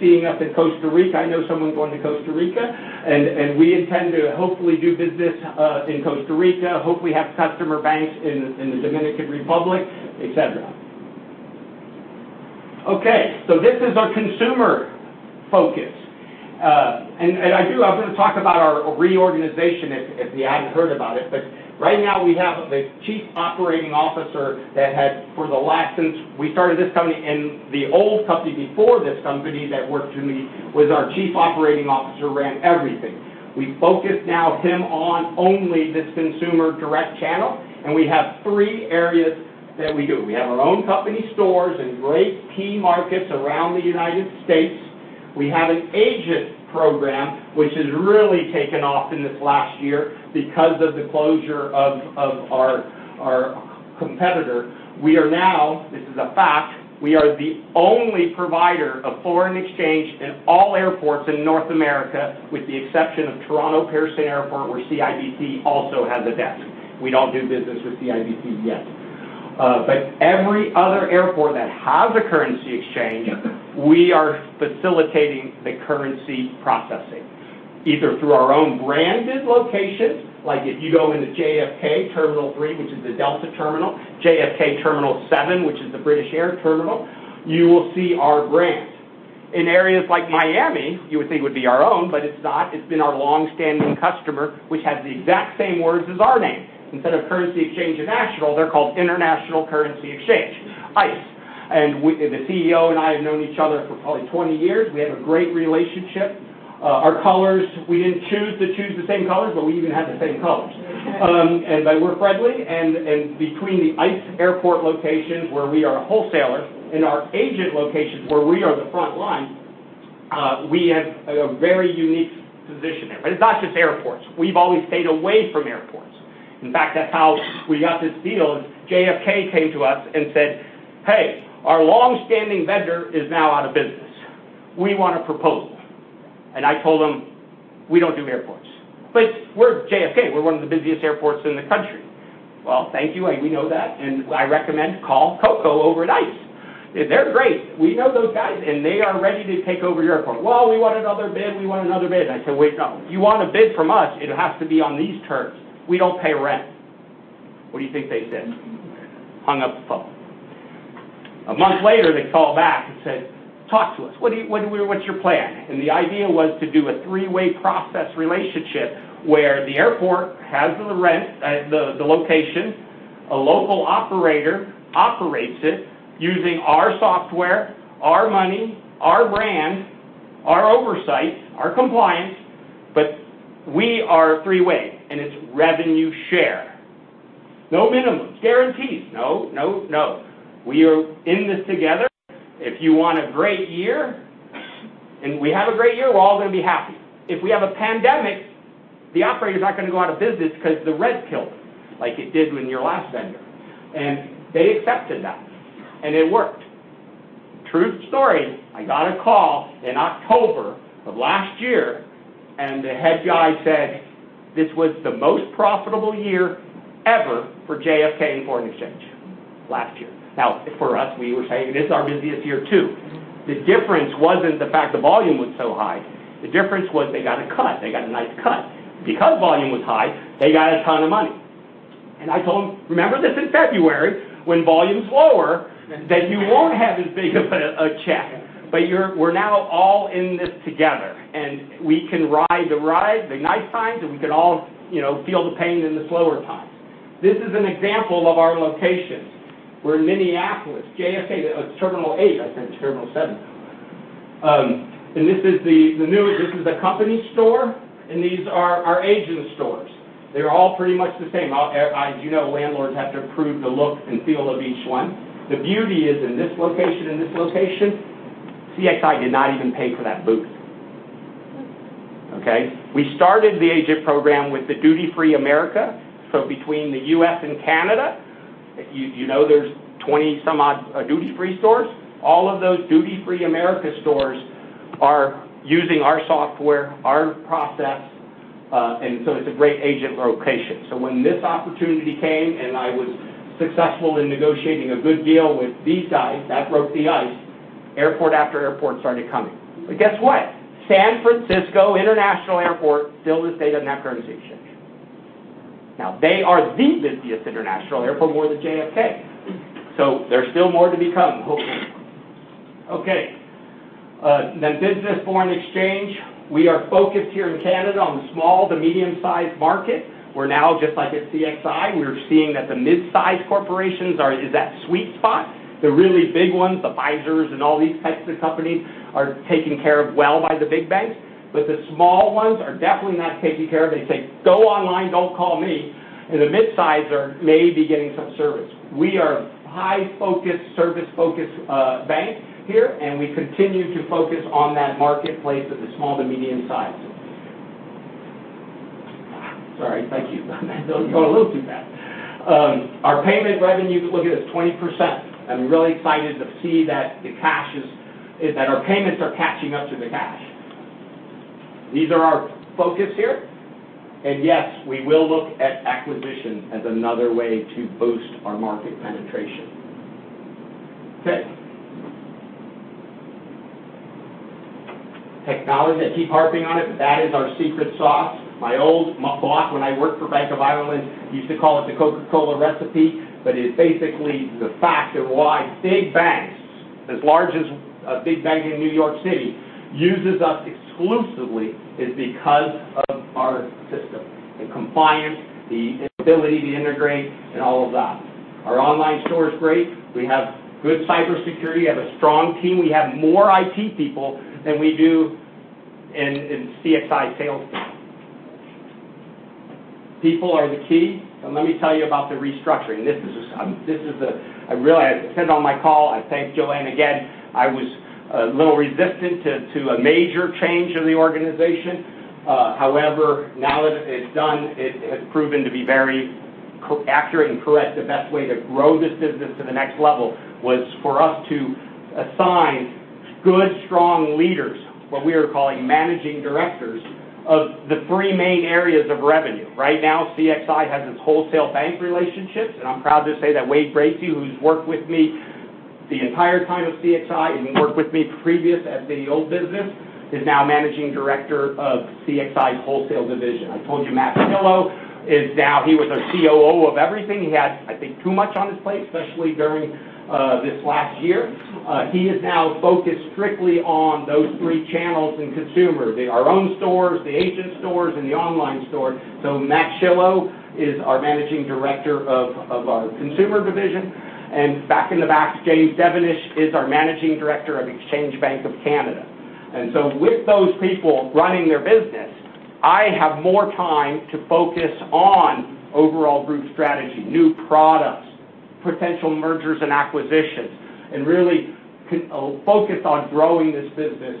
Seeing up in Costa Rica, I know someone's going to Costa Rica, and we intend to hopefully do business in Costa Rica. Hope we have customer banks in the Dominican Republic, et cetera. Okay, this is our consumer focus. I'm going to talk about our reorganization if you haven't heard about it. Right now, we have the Chief Operating Officer. Since we started this company and the old company before this company that worked with me was our Chief Operating Officer, ran everything. We focus now him on only this consumer direct channel, and we have three areas that we do. We have our own company stores in great key markets around the United States. We have an agent program, which has really taken off in this last year because of the closure of our competitor. We are now, this is a fact, we are the only provider of foreign exchange in all airports in North America, with the exception of Toronto Pearson Airport, where CIBC also has a desk. We don't do business with CIBC yet. Every other airport that has a currency exchange, we are facilitating the currency processing, either through our own branded locations. Like if you go into JFK Terminal Three, which is the Delta terminal, JFK Terminal Seven, which is the British Airways terminal, you will see our brand. In areas like Miami, you would think would be our own, but it's not. It's been our long-standing customer, which has the exact same words as our name. Instead of Currency Exchange International, they're called International Currency Exchange, ICE. The CEO and I have known each other for probably 20 years. We have a great relationship. Our colors, we didn't choose to choose the same colors, but we even have the same colors. They were friendly. Between the ICE airport locations where we are a wholesaler, and our agent locations where we are the front line, we have a very unique position there. It's not just airports. We've always stayed away from airports. In fact, that's how we got this deal is JFK came to us and said, "Hey, our long-standing vendor is now out of business. We want a proposal." I told them, "We don't do airports." "We're JFK. We're one of the busiest airports in the country." "Well, thank you, and we know that. I recommend you call Coco over at ICE. They're great. We know those guys, and they are ready to take over your airport." "Well, we want another bid." I said, "Wait, no. If you want a bid from us, it has to be on these terms. We don't pay rent." What do you think they said? Hung up the phone. A month later, they called back and said, "Talk to us. What's your plan?" The idea was to do a three-way process relationship where the airport has the rent, the location, a local operator operates it using our software, our money, our brand, our oversight, our compliance, but we are three-way, and its revenue share. No minimums. Guarantees. No, no. We are in this together. If you want a great year, and we have a great year, we're all going to be happy. If we have a pandemic, the operator's not going to go out of business because the rent killed them, like it did when your last vendor. They accepted that. It worked. True story, I got a call in October of last year, and the head guy said this was the most profitable year ever for JFK in foreign exchange last year. Now, for us, we were saying, "This is our busiest year, too." The difference wasn't the fact the volume was so high. The difference was they got a cut. They got a nice cut. Because volume was high, they got a ton of money. I told them, "Remember this in February when volume's lower, that you won't have as big of a check. But we're now all in this together, and we can ride the ride the nice times, and we can all feel the pain in the slower times." This is an example of our locations. We're in Minneapolis, JFK, Terminal Eight. I said Terminal seven. This is a company store, and these are our agent stores. They're all pretty much the same. As you know, landlords have to approve the look and feel of each one. The beauty is, in this location and this location, CXI did not even pay for that booth. Okay? We started the agent program with the Duty Free America. Between the U.S. and Canada, you know there's 20-some-odd Duty Free stores. All of those Duty Free America's stores are using our software, our process, and so it's a great agent location. When this opportunity came, and I was successful in negotiating a good deal with these guys, that broke the ice, airport after airport started coming. Guess what? San Francisco International Airport still does not have a currency exchange. Now, they are the busiest international airport, more than JFK. There's still more to become, hopefully. Okay. Business Foreign Exchange, we are focused here in Canada on the small to medium-sized market. We're now just like at CXI. We're seeing that the mid-size corporations are is that sweet spot. The really big ones, the Pfizer and all these types of companies, are taken care of well by the big banks. The small ones are definitely not taken care of. They say, "Go online, don't call me." The mid-size are maybe getting some service. We are high-focused, service-focused bank here, and we continue to focus on that marketplace of the small to medium sizes. Sorry. Thank you. That was going a little too fast. Our payment revenue, if you look at it, is 20%, and we're really excited to see that our payments are catching up to the cash. These are our focus here. Yes, we will look at acquisition as another way to boost our market penetration. Okay. Technology, I keep harping on it, but that is our secret sauce. My old boss, when I worked for Bank of Ireland, used to call it the Coca-Cola recipe, but it is basically the fact of why big banks, as large as a big bank in New York City, uses us exclusively is because of our system. The compliance, the ability to integrate, and all of that. Our online store is great. We have good cybersecurity, have a strong team. We have more IT people than we do in CXI sales team. People are the key. Let me tell you about the restructuring. I depend on my call. I thank Johanne again. I was a little resistant to a major change in the organization. However, now that it's done, it has proven to be very accurate and correct. The best way to grow this business to the next level was for us to assign good, strong leaders, what we are calling managing directors, of the three main areas of revenue. Right now, CXI has its wholesale bank relationships, and I'm proud to say that Wade Bracey, who's worked with me. The entire time of CXI, and he worked with me previously at the old business, is now Managing Director of CXI's wholesale division. I told you Matt Schillo, he was our COO of everything. He had, I think, too much on his plate, especially during this last year. He is now focused strictly on those three channels in consumer, our own stores, the agent stores, and the online store. Matt Schillo is our managing director of our consumer division. Back in the back, James Devenish is our Managing Director of Exchange Bank of Canada. With those people running their business, I have more time to focus on overall group strategy, new products, potential mergers and acquisitions, and really focus on growing this business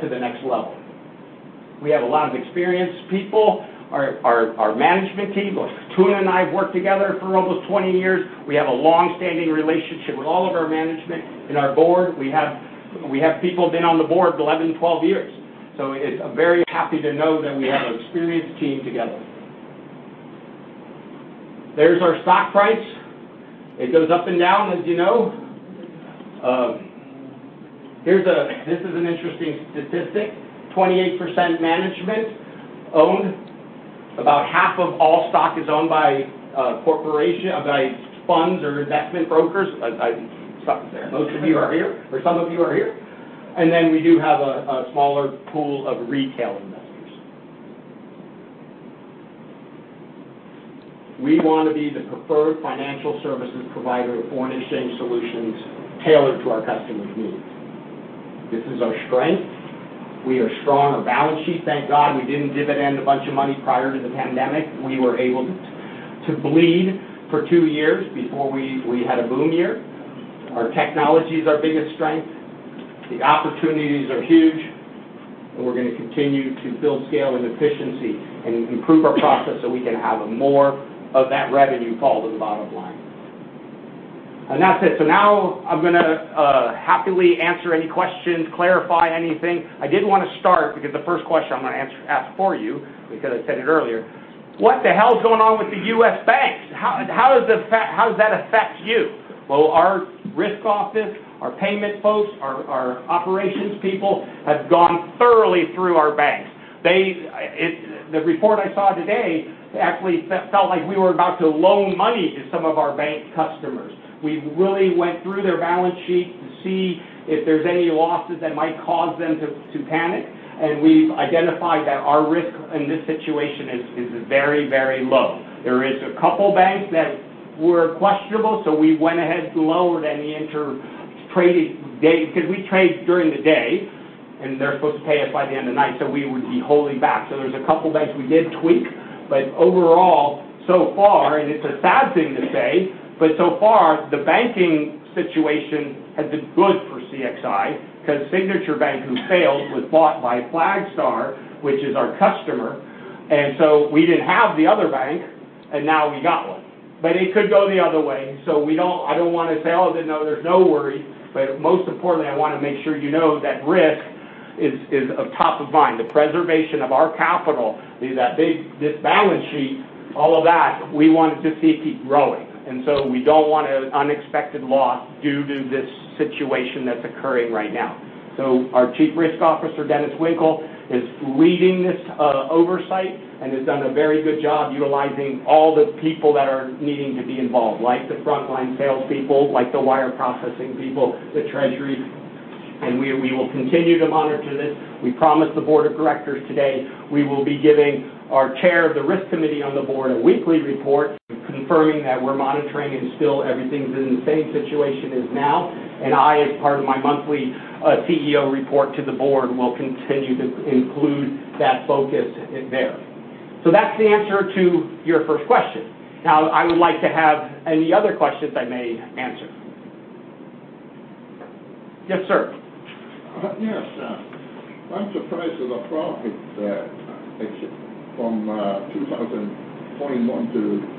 to the next level. We have a lot of experienced people. Our management team, Tuna and I have worked together for almost 20 years. We have a long-standing relationship with all of our management and our board. We have people been on the board 11, 12 years. It's very happy to know that we have an experienced team together. There's our stock price. It goes up and down, as you know. This is an interesting statistic, 28% management owned. About half of all stock is owned by funds or investment brokers. Most of you are here, or some of you are here. Then we do have a smaller pool of retail investors. We want to be the preferred financial services provider of foreign exchange solutions tailored to our customers' needs. This is our strength. We are strong. Our balance sheet, thank God, we didn't dividend a bunch of money prior to the pandemic. We were able to bleed for two years before we had a boom year. Our technology is our biggest strength. The opportunities are huge, and we're going to continue to build scale and efficiency and improve our process so we can have more of that revenue fall to the bottom line. That's it. Now I'm going to happily answer any questions, clarify anything. I did want to start because the first question I'm going to ask for you, because I said it earlier, what the hell's going on with the U.S. banks? How does that affect you? Well, our risk office, our payment folks, our operations people have gone thoroughly through our banks. The report I saw today actually felt like we were about to loan money to some of our bank customers. We really went through their balance sheet to see if there's any losses that might cause them to panic, and we've identified that our risk in this situation is very low. There is a couple banks that were questionable, so we went ahead and lowered any intra-day trades because we trade during the day, and they're supposed to pay us by the end of the night, so we would be holding back. There's a couple banks we did tweak, but overall, so far, and it's a sad thing to say, but so far, the banking situation has been good for CXI because Signature Bank, who failed, was bought by Flagstar Bank, which is our customer. We didn't have the other bank, and now we got one. It could go the other way. I don't want to say, "Oh, there's no worry." Most importantly, I want to make sure you know that risk is top of mind. The preservation of our capital, this balance sheet, all of that, we want to see it keep growing. We don't want an unexpected loss due to this situation that's occurring right now. Our Chief Risk Officer, Dennis Winkle, is leading this oversight and has done a very good job utilizing all the people that are needing to be involved, like the frontline salespeople, like the wire processing people, the treasury. We will continue to monitor this. We promised the board of directors today we will be giving our Chair of the Risk Committee on the board a weekly report confirming that we're monitoring and still everything's in the same situation as now. I, as part of my monthly CEO report to the board, will continue to include that focus there. That's the answer to your first question. Now, I would like to have any other questions I may answer. Yes, sir. Yes. I'm surprised at the profit from 2021 to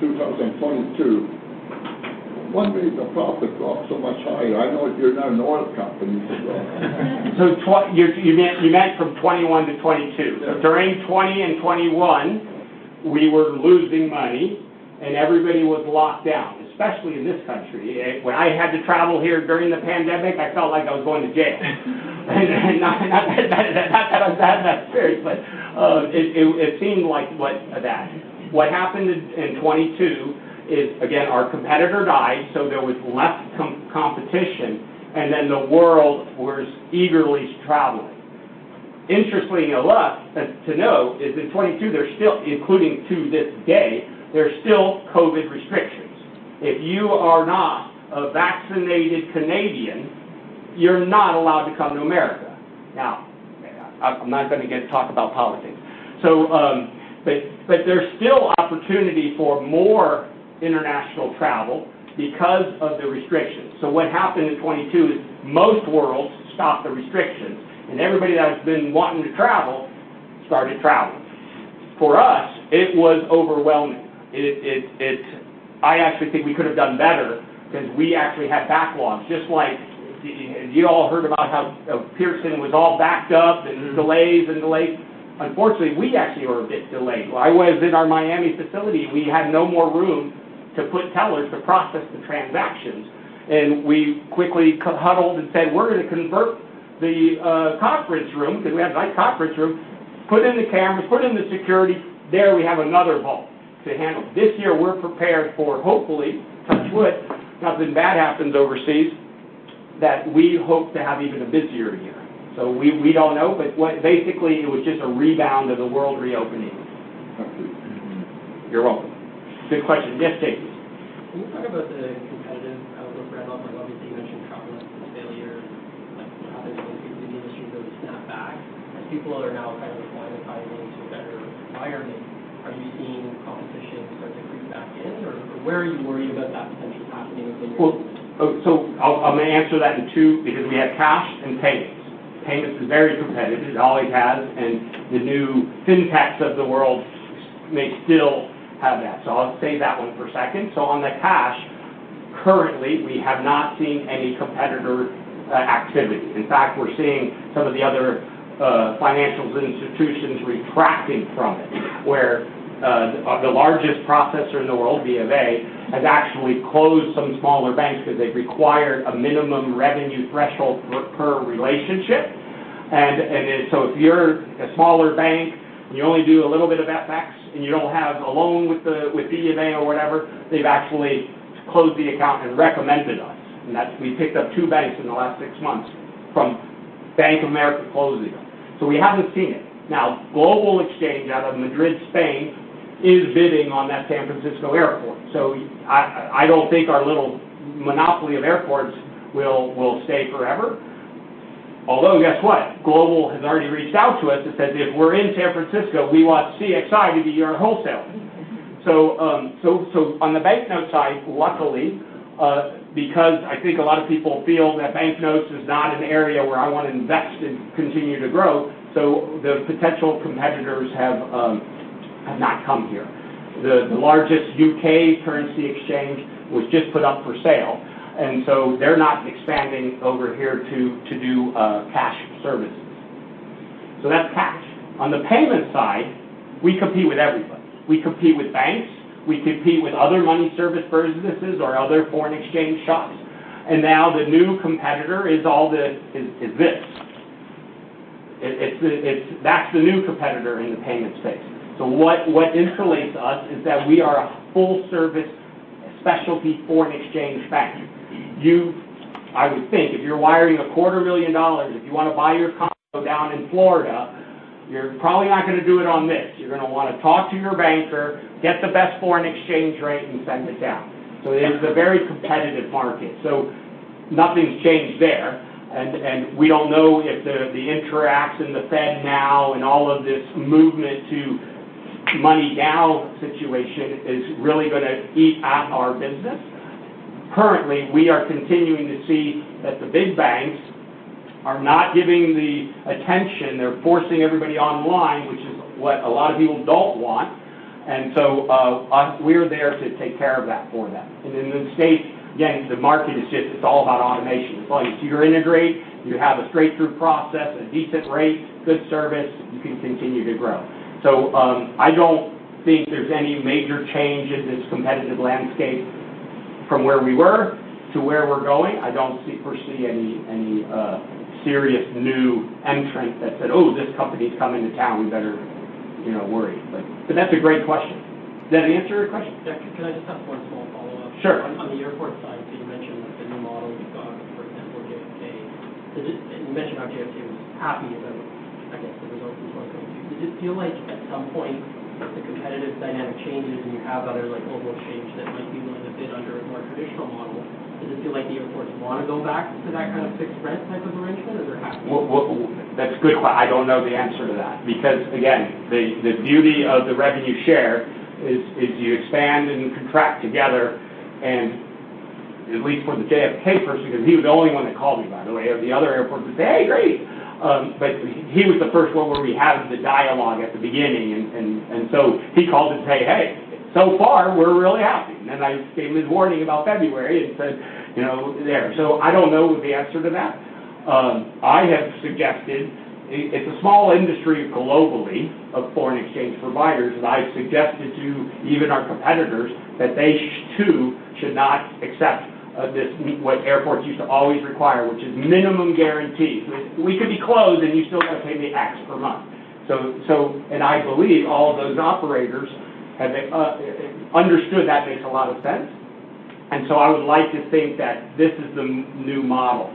2022. What made the profit drop so much higher? I know you're not an oil company, [as well]. You meant from 2021 to 2022. Yes. During 2020 and 2021, we were losing money and everybody was locked down, especially in this country. When I had to travel here during the pandemic, I felt like I was going to jail. Not that I've had that experience, but it seemed like that. What happened in 2022 is, again, our competitor died, so there was less competition, and then the world was eagerly traveling. Interestingly enough to know is in 2022, including to this day, there's still COVID restrictions. If you are not a vaccinated Canadian, you're not allowed to come to America. Now, I'm not going to talk about politics. There's still opportunity for more international travel because of the restrictions. What happened in 2022 is most worlds stopped the restrictions, and everybody that's been wanting to travel started traveling. For us, it was overwhelming. I actually think we could have done better because we actually had backlogs, just like you all heard about how Pearson was all backed up and delays. Unfortunately, we actually were a bit delayed. I was in our Miami facility. We had no more room to put tellers to process the transactions, and we quickly huddled and said, "We're going to convert the conference room," because we had a nice conference room. Put in the cameras, put in the security. There we have another vault to handle. This year, we're prepared for hopefully, touch wood, nothing bad happens overseas, that we hope to have even a busier year. We don't know. Basically, it was just a rebound of the world reopening. Thank you. You're welcome. Good question. Yes, David. Can you talk about the and how the industry really snapped back as people are now kind of quantifying into a better environment. Are you seeing competition start to creep back in, or where are you worried about that potentially happening I'm going to answer that in two because we have cash and payments. Payments is very competitive, it always has, and the new Fintechs of the world may still have that. I'll save that one for a second. On the cash, currently, we have not seen any competitor activity. In fact, we're seeing some of the other financial institutions retracting from it, where the largest processor in the world, Bank of America, has actually closed some smaller banks because they require a minimum revenue threshold per relationship. If you're a smaller bank and you only do a little bit of FX and you don't have a loan with Bank of America or whatever, they've actually closed the account and recommended us. We picked up two banks in the last six months from Bank of America closing them. We haven't seen it. Global Exchange out of Madrid, Spain is bidding on that San Francisco airport. I don't think our little monopoly of airports will stay forever. Although, guess what? Global has already reached out to us and said, "If we're in San Francisco, we want CXI to be our wholesaler." On the banknote side, luckily because I think a lot of people feel that banknotes is not an area where I want to invest and continue to grow, so the potential competitors have not come here. The largest U.K. currency exchange was just put up for sale, and so they're not expanding over here to do cash services. That's cash. On the payment side, we compete with everybody. We compete with banks, we compete with other money service businesses or other foreign exchange shops. Now the new competitor is this. That's the new competitor in the payments space. What insulates us is that we are a full-service specialty foreign exchange bank. I would think if you're wiring a quarter million dollars, if you want to buy your condo down in Florida, you're probably not going to do it on this. You're going to want to talk to your banker, get the best foreign exchange rate, and send it down. It is a very competitive market, so nothing's changed there. We don't know if the Interac and the PayNow and all of this movement to instant payments situation is really going to eat at our business. Currently, we are continuing to see that the big banks are not giving the attention. They're forcing everybody online, which is what a lot of people don't want. We're there to take care of that for them. In the States, again, the market is just all about automation. As long as you're integrated, you have a straight-through process, a decent rate, good service, you can continue to grow. I don't think there's any major change in this competitive landscape from where we were to where we're going. I don't foresee any serious new entrant that said, "Oh, this company's coming to town. We better worry." That's a great question. Does that answer your question? Yeah. Can I just have one small follow-up? Sure. On the airport side, you mentioned the new model you've got, for example, JFK. You mentioned how JFK was happy about, I guess, the results in 2022. Does it feel like at some point the competitive dynamic changes and you have other Global Exchange that might be willing to bid under a more traditional model? Does it feel like the airports want to go back to that kind of fixed rent type of arrangement, or they're happy? I don't know the answer to that. Because again, the beauty of the revenue share is you expand and contract together, and at least for the JFK person, because he was the only one that called me, by the way. The other airports would say, "Hey, great." But he was the first one where we had the dialogue at the beginning, and so he called and said, "Hey, so far we're really happy." I gave him his warning about February and said, "There." I don't know the answer to that. It's a small industry globally of foreign exchange providers, and I've suggested to even our competitors that they, too, should not accept what airports used to always require, which is minimum guarantees. We could be closed, and you still got to pay me X per month. I believe all of those operators have understood that makes a lot of sense. I would like to think that this is the new model.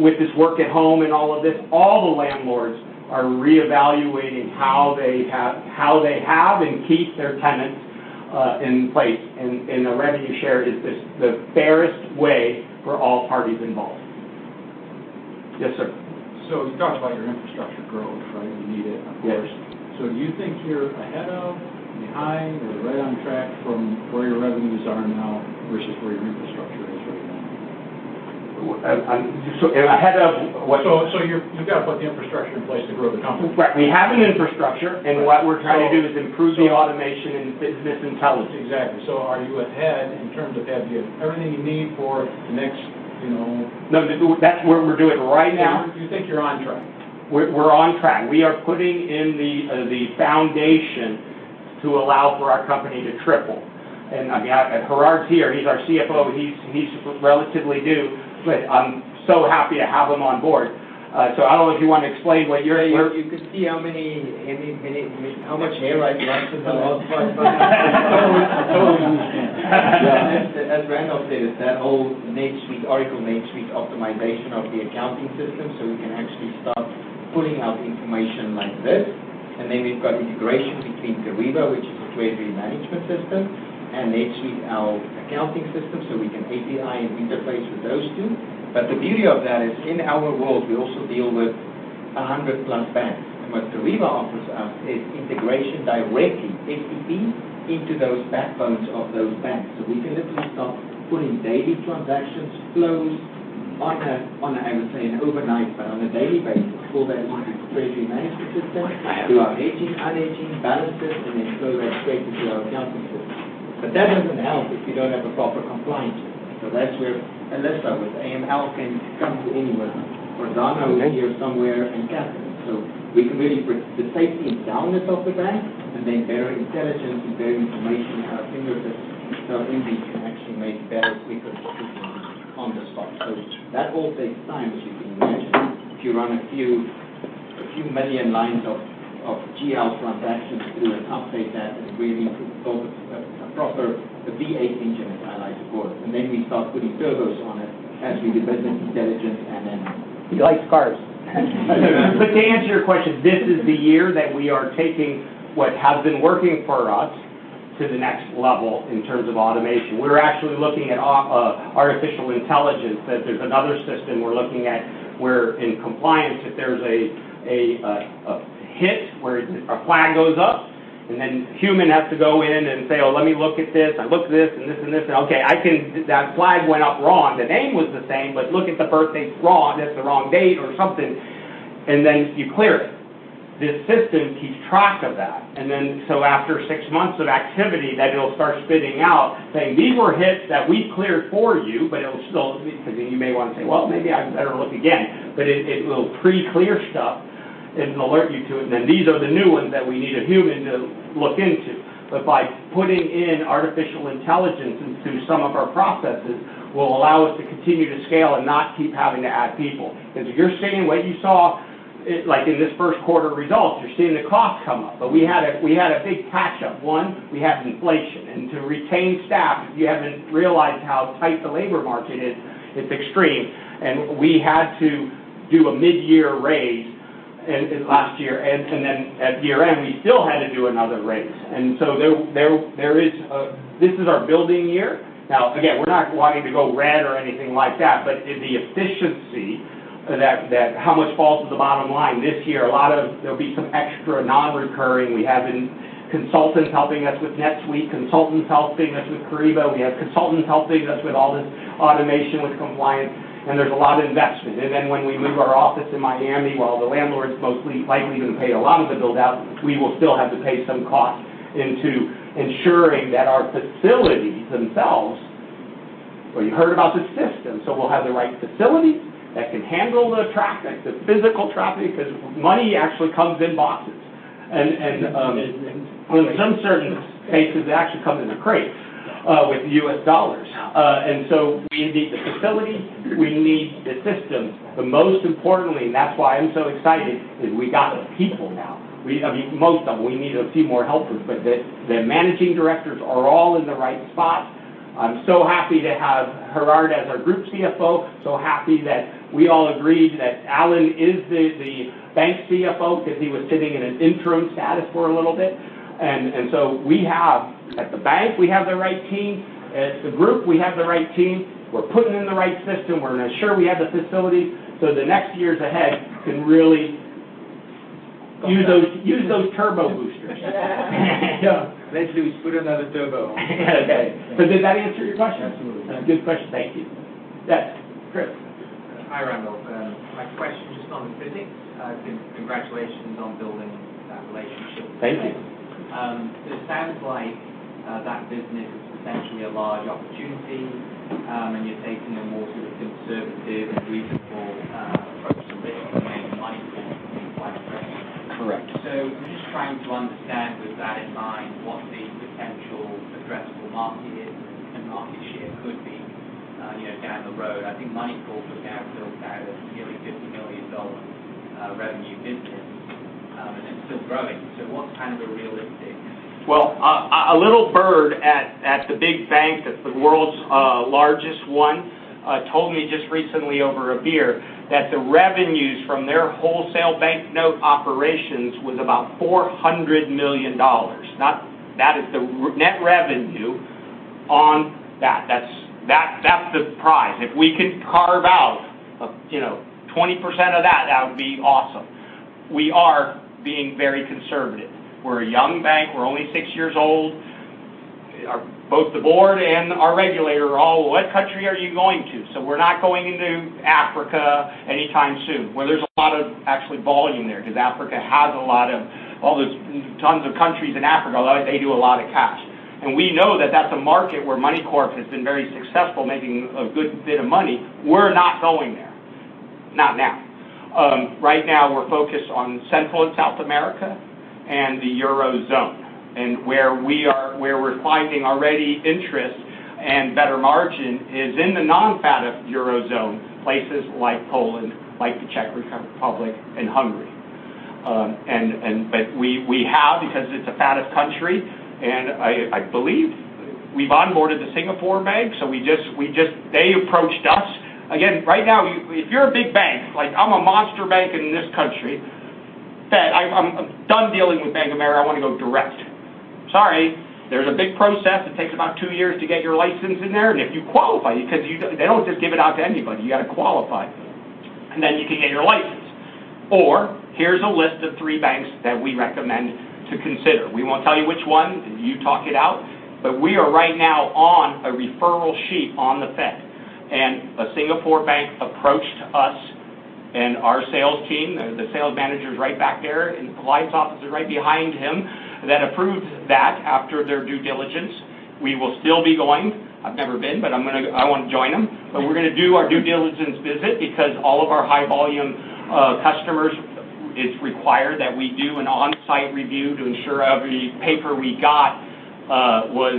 With this work at home and all of this, all the landlords are reevaluating how they have and keep their tenants in place, and the revenue share is the fairest way for all parties involved. Yes, sir. You talked about your infrastructure growth, right? You need it, of course. Yes. Do you think you're ahead of, behind, or right on track from where your revenues are now versus where your infrastructure is right now? Ahead of what? You've got to put the infrastructure in place to grow the company. Right. We have an infrastructure, and what we're trying to do is improve the automation and business intelligence. Exactly. Are you ahead in terms of have you everything you need for the next? No, that's what we're doing right now. Do you think you're on track? We're on track. We are putting in the foundation to allow for our company to triple. Gerhard’s here, he’s our CFO. He’s relatively new, but I'm so happy to have him on board. I don't know if you want to explain what your. You could see how much hair I've lost in the last five months. As Randolph stated, that whole article next week, optimization of the accounting system so we can actually start pulling out information like this. Then we've got integration between Kyriba, which is a treasury management system, and actually our accounting system, so we can API and interface with those two. The beauty of that is in our world, we also deal with 100 plus banks. What Kyriba offers us is integration directly, STP, into those backbones of those banks. We can literally start putting daily transactions, flows on, I would say an overnight, but on a daily basis, pull that into the treasury management system, do our hedging, unhedging, balances, and then flow that straight into our accounting system. That doesn't help if you don't have the proper compliance. That's where Alessa with AML can come to anywhere. Or Dana who's here somewhere, and Catherine. We can really put the safety and soundness of the bank, and then better intelligence and better information at our fingertips so Indy can actually make better, quicker decisions on the spot. That all takes time, as you can imagine. If you run a few million lines of GL transactions through and update that, and really focus a proper V8 engine, as I like to call it. We start putting turbos on it as we develop intelligence, and then. He likes cars. To answer your question, this is the year that we are taking what has been working for us to the next level in terms of automation. We're actually looking at artificial intelligence, that there's another system we're looking at where in compliance, if there's a hit where a flag goes up and then human has to go in and say, "Oh, let me look at this. I looked at this and this and this, and okay, I think that flag went up wrong. The name was the same, but look at the birthday, it's wrong. That's the wrong date or something." And then you clear it. This system keeps track of that. After six months of activity, that it'll start spitting out saying, "These were hits that we've cleared for you," but it'll still, because then you may want to say, "Well, maybe I better look again." But it will pre-clear stuff and alert you to it, and then these are the new ones that we need a human to look into. But by putting in artificial intelligence into some of our processes will allow us to continue to scale and not keep having to add people. Because if you're seeing what you saw in this first quarter results, you're seeing the cost come up. But we had a big catch up. One, we had inflation, and to retain staff, if you haven't realized how tight the labor market is, it's extreme. We had to do a mid-year raise last year, and then at year-end we still had to do another raise. This is our building year. Now, again, we're not wanting to go red or anything like that, but the efficiency, how much falls to the bottom line this year, there'll be some extra non-recurring. We have consultants helping us with NetSuite, consultants helping us with Kyriba. We have consultants helping us with all this automation, with compliance, and there's a lot of investment. Then when we move our office to Miami, while the landlord's most likely going to pay a lot of the build out, we will still have to pay some cost into ensuring that our facilities themselves. Well, you heard about the system. We'll have the right facility that can handle the traffic, the physical traffic, because money actually comes in boxes. In some certain cases, they actually come in the crates with U.S. dollars. We need the facility, we need the systems, but most importantly, and that's why I'm so excited, is we got the people now. Most of them. We need a few more helpers, but the managing directors are all in the right spot. I'm so happy to have Gerhard as our Group CFO, so happy that we all agreed that Alan is the Bank CFO because he was sitting in an interim status for a little bit. At the bank, we have the right team. As the group, we have the right team. We're putting in the right system. We're going to ensure we have the facilities so the next years ahead can really use those turbo boosters. Next year, we put another turbo on. Okay. Did that answer your question? Absolutely. Good question. Thank you. Yes, Chris. Hi, Randolph. My question is just on FiPEX. Congratulations on building that relationship. Thank you. It sounds like that business is potentially a large opportunity, and you're taking a more sort of conservative and reasonable approach to risk and Moneycorp seems quite correct. Correct. I'm just trying to understand with that in mind, what the potential addressable market is and market share could be down the road? I think Moneycorp put down nearly a $50 million revenue business, and it's still growing. What's kind of the realistic? Well, a little bird at the big bank that's the world's largest one, told me just recently over a beer that the revenues from their wholesale banknote operations was about $400 million. That is the net revenue on that. That's the prize. If we can carve out 20% of that would be awesome. We are being very conservative. We're a young bank. We're only six years old. Both the board and our regulator are all, "What country are you going to?" We're not going into Africa anytime soon, where there's a lot of actual volume there, because Africa has all those tons of countries in Africa. They do a lot of cash. We know that that's a market where Moneycorp has been very successful making a good bit of money. We're not going there. Not now. Right now, we're focused on Central and South America and the Eurozone. Where we're finding already interest and better margin is in the non-FATF Eurozone, places like Poland, like the Czech Republic, and Hungary. We have, because it's a FATF country, and I believe we've onboarded the Singapore bank, so they approached us. Again, right now, if you're a big bank, like I'm a monster bank in this country, Fed, I'm done dealing with Bank of America, I want to go direct. Sorry. There's a big process. It takes about two years to get your license in there. If you qualify, because they don't just give it out to anybody. You got to qualify, and then you can get your license. Here's a list of three banks that we recommend to consider. We won't tell you which one. You talk it out. We are right now on a referral sheet on the Fed. A Singapore bank approached us and our sales team. The sales manager's right back there, and compliance officer right behind him, that approved that after their due diligence. We will still be going. I've never been, but I want to join them. We're going to do our due diligence visit because all of our high volume customers, it's required that we do an on-site review to ensure every paper we got was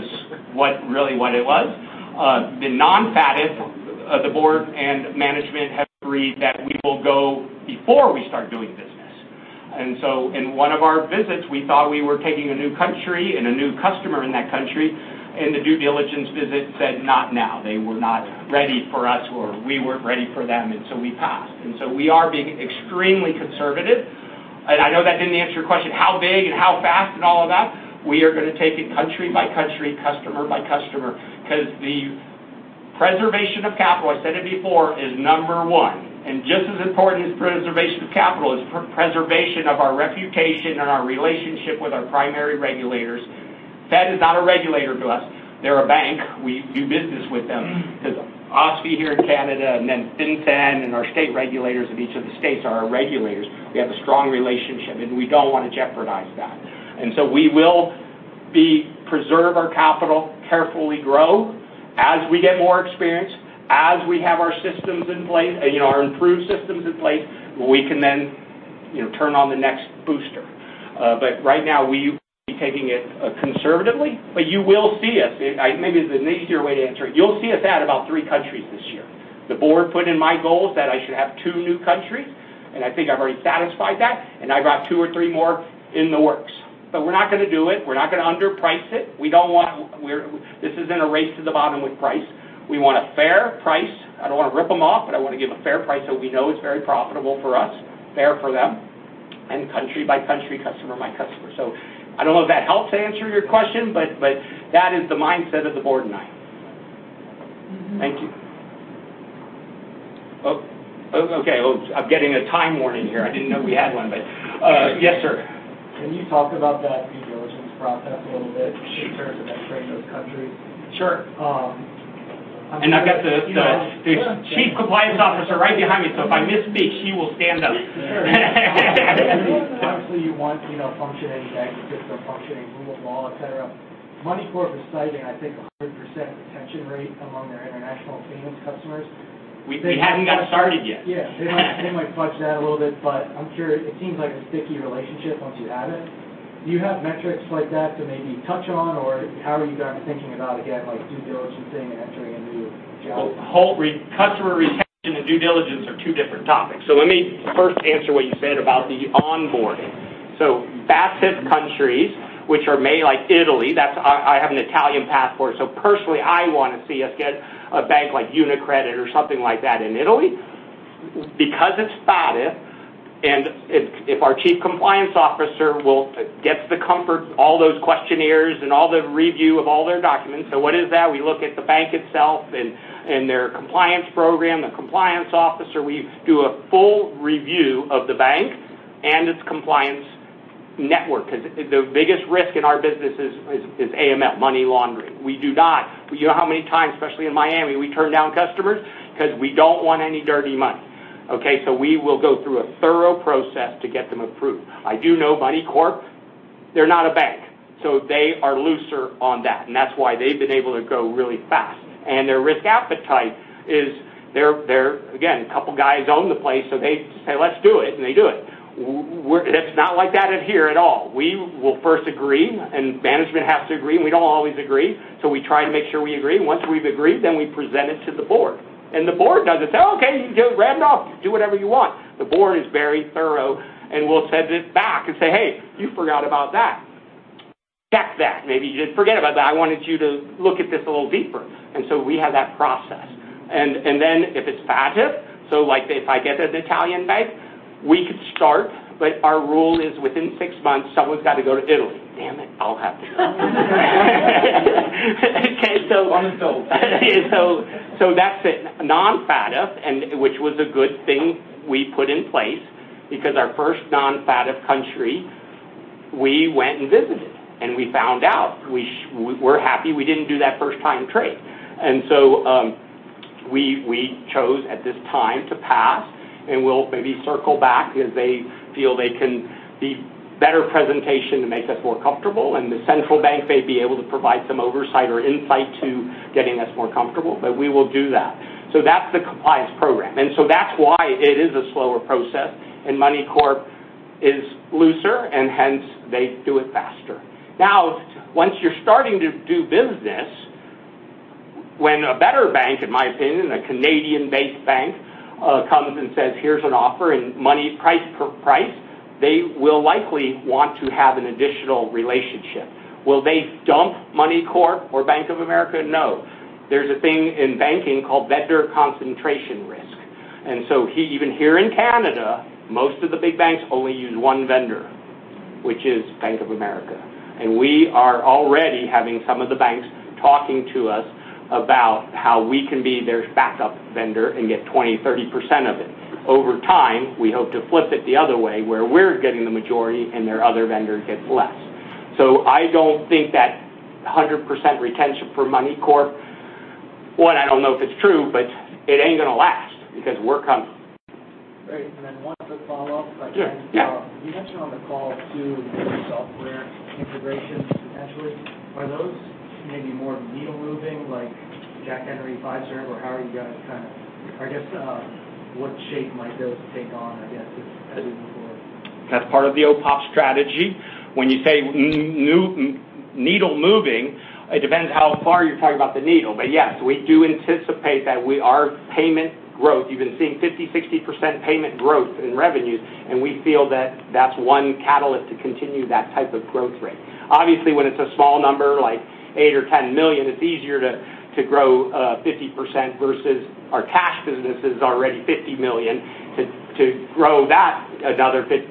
really what it was. The non-FATF, the board, and management have agreed that we will go before we start doing business. In one of our visits, we thought we were taking a new country and a new customer in that country, and the due diligence visit said, "Not now." They were not ready for us, or we weren't ready for them, and so we passed. We are being extremely conservative. I know that didn't answer your question how big and how fast and all of that. We are going to take it country by country, customer by customer, because the preservation of capital, I said it before, is number one. Just as important as preservation of capital is preservation of our reputation and our relationship with our primary regulators. Fed is not a regulator to us. They're a bank. We do business with them. Because [OSFI] here in Canada, and then FinCEN, and our state regulators of each of the states are our regulators. We have a strong relationship, and we don't want to jeopardize that. We will preserve our capital, carefully grow. As we get more experience, as we have our systems in place, our improved systems in place, we can then turn on the next booster. Right now we will be taking it conservatively. You will see us. Maybe it's an easier way to answer it. You'll see us add about three countries this year. The board put in my goals that I should have two new countries, and I think I've already satisfied that. I got two or three more in the works. We're not going to do it. We're not going to underprice it. This isn't a race to the bottom with price. We want a fair price. I don't want to rip them off, but I want to give a fair price that we know is very profitable for us, fair for them, and country by country, customer by customer. I don't know if that helps answer your question, but that is the mindset of the board and I. Thank you. Oh, okay. I'm getting a time warning here. I didn't know we had one, but yes, sir. Can you talk about that due diligence process a little bit in terms of entering those countries? Sure. I've got the Chief Compliance Officer right behind me, so if I misspeak, she will stand up. Obviously, you want functioning banks with their functioning rule of law, et cetera. Moneycorp is citing, I think, [100%] retention rate among their international payments customers. We haven't got started yet. Yeah. They might fudge that a little bit, but I'm curious. It seems like a sticky relationship once you have it. Do you have metrics like that to maybe touch on, or how are you guys thinking about, again, due diligencing and entering a new territory? Customer retention and due diligence are two different topics. Let me first answer what you said about the onboarding. FATF countries, which are mainly like Italy. I have an Italian passport, so personally, I want to see us get a bank like UniCredit or something like that in Italy because it's FATF. If our chief compliance officer gets the comfort, all those questionnaires, and all the review of all their documents. What is that? We look at the bank itself and their compliance program, the compliance officer. We do a full review of the bank and its compliance network. Because the biggest risk in our business is AML, money laundering. You know how many times, especially in Miami, we turn down customers? Because we don't want any dirty money. Okay? We will go through a thorough process to get them approved. I do know Moneycorp, they're not a bank. They are looser on that, and that's why they've been able to grow really fast. Their risk appetite is they're, again, a couple guys own the place, so they say, "Let's do it," and they do it. It's not like that in here at all. We will first agree, and management has to agree, and we don't always agree. We try to make sure we agree. Once we've agreed, then we present it to the board. The board doesn't say, "Okay, you can go grab it off, do whatever you want." The board is very thorough and will send it back and say, "Hey, you forgot about that. Check that. Maybe you didn't forget about that. I wanted you to look at this a little deeper." We have that process. If it's FATF, so if I get an Italian bank, we could start, but our rule is within six months, someone's got to go to Italy. Damn it, I'll have to go. One and sold. That's it. Non-FATF, which was a good thing we put in place because our first non-FATF country, we went and visited. We found out. We're happy we didn't do that first time trade. We chose at this time to pass, and we'll maybe circle back as they feel they can be better presentation to make us more comfortable, and the central bank may be able to provide some oversight or insight to getting us more comfortable, but we will do that. That's the compliance program. That's why it is a slower process, and Moneycorp is looser and hence they do it faster. Now, once you're starting to do business, when a better bank, in my opinion, a Canadian-based bank, comes and says, "Here's an offer," and money, price per price, they will likely want to have an additional relationship. Will they dump Moneycorp or Bank of America? No. There's a thing in banking called vendor concentration risk. Even here in Canada, most of the big banks only use one vendor, which is Bank of America. We are already having some of the banks talking to us about how we can be their backup vendor and get 20%-30% of it. Over time, we hope to flip it the other way, where we're getting the majority and their other vendor gets less. I don't think that 100% retention for Moneycorp, one, I don't know if it's true, but it ain't going to last because we're coming. Great. One quick follow-up. Sure. Yeah. You mentioned on the call too, software integration, potentially. Are those maybe more needle-moving, like Jack Henry, Fiserv, or how are you guys kind of, I guess, what shape might those take on, I guess, as we move forward? That's part of the OPOP strategy. When you say needle moving, it depends how far you're talking about the needle. Yes, we do anticipate that our payment growth, you've been seeing 50%, 60% payment growth in revenues, and we feel that that's one catalyst to continue that type of growth rate. Obviously, when it's a small number, like $8 million or $10 million, it's easier to grow 50% versus our cash business is already $50 million. To grow that another 50%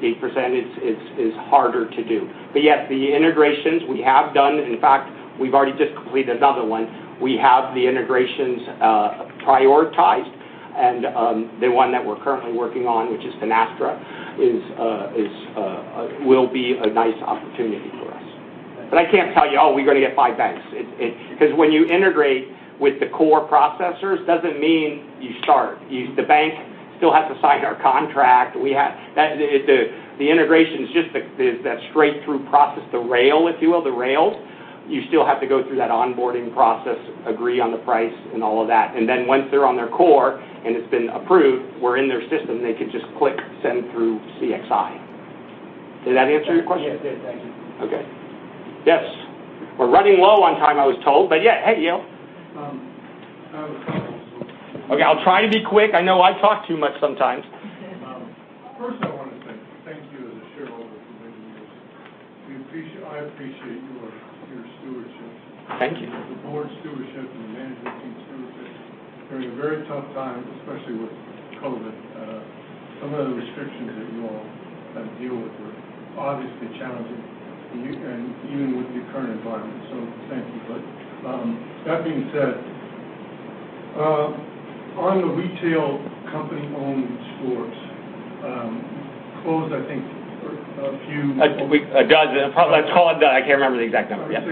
is harder to do. Yes, the integrations we have done. In fact, we've already just completed another one. We have the integrations prioritized, and the one that we're currently working on, which is Finastra, will be a nice opportunity for us. I can't tell you, "Oh, we're going to get five banks." Because when you integrate with the core processors, doesn't mean you start. The bank still has to sign our contract. The integration is just the straight through process, the rail, if you will, the rails. You still have to go through that onboarding process, agree on the price and all of that. Once they're on their core and it's been approved, we're in their system, they could just click send through CXI. Did that answer your question? Yes, it did. Thank you. Okay. Yes. We're running low on time, I was told, but yeah. Hey, Yale. I have a couple. Okay. I'll try to be quick. I know I talk too much sometimes. First, I want to say thank you as a shareholder for many years. I appreciate your stewardship. Thank you. The board stewardship and the management team stewardship during a very tough time, especially with COVID. Some of the restrictions that you all had to deal with were obviously challenging, and even with the current environment. Thank you for that. That being said, on the retail company-owned stores, closed, I think, a few. 12, probably 12. I can't remember the exact number. Yeah.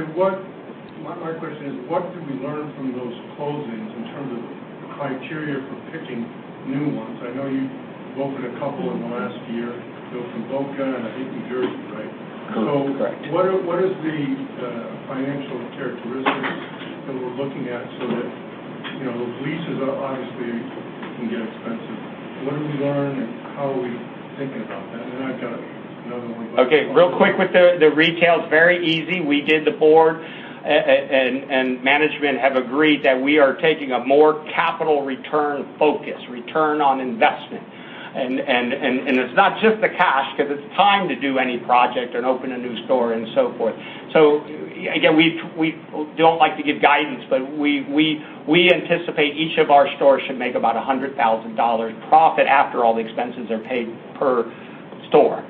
My question is, what did we learn from those closings in terms of criteria for picking new ones? I know you've opened a couple in the last year, both in Boca and I think New Jersey, right? Correct. What is the financial characteristics that we're looking at so that those leases obviously can get expensive. What did we learn and how are we thinking about that? Then I've got another one. Okay. Real quick with the retail, very easy. The board and management have agreed that we are taking a more capital return focus, return on investment. It's not just the cash, because it's time to do any project and open a new store and so forth. Again, we don't like to give guidance, but we anticipate each of our stores should make about $100,000 profit after all the expenses are paid per store.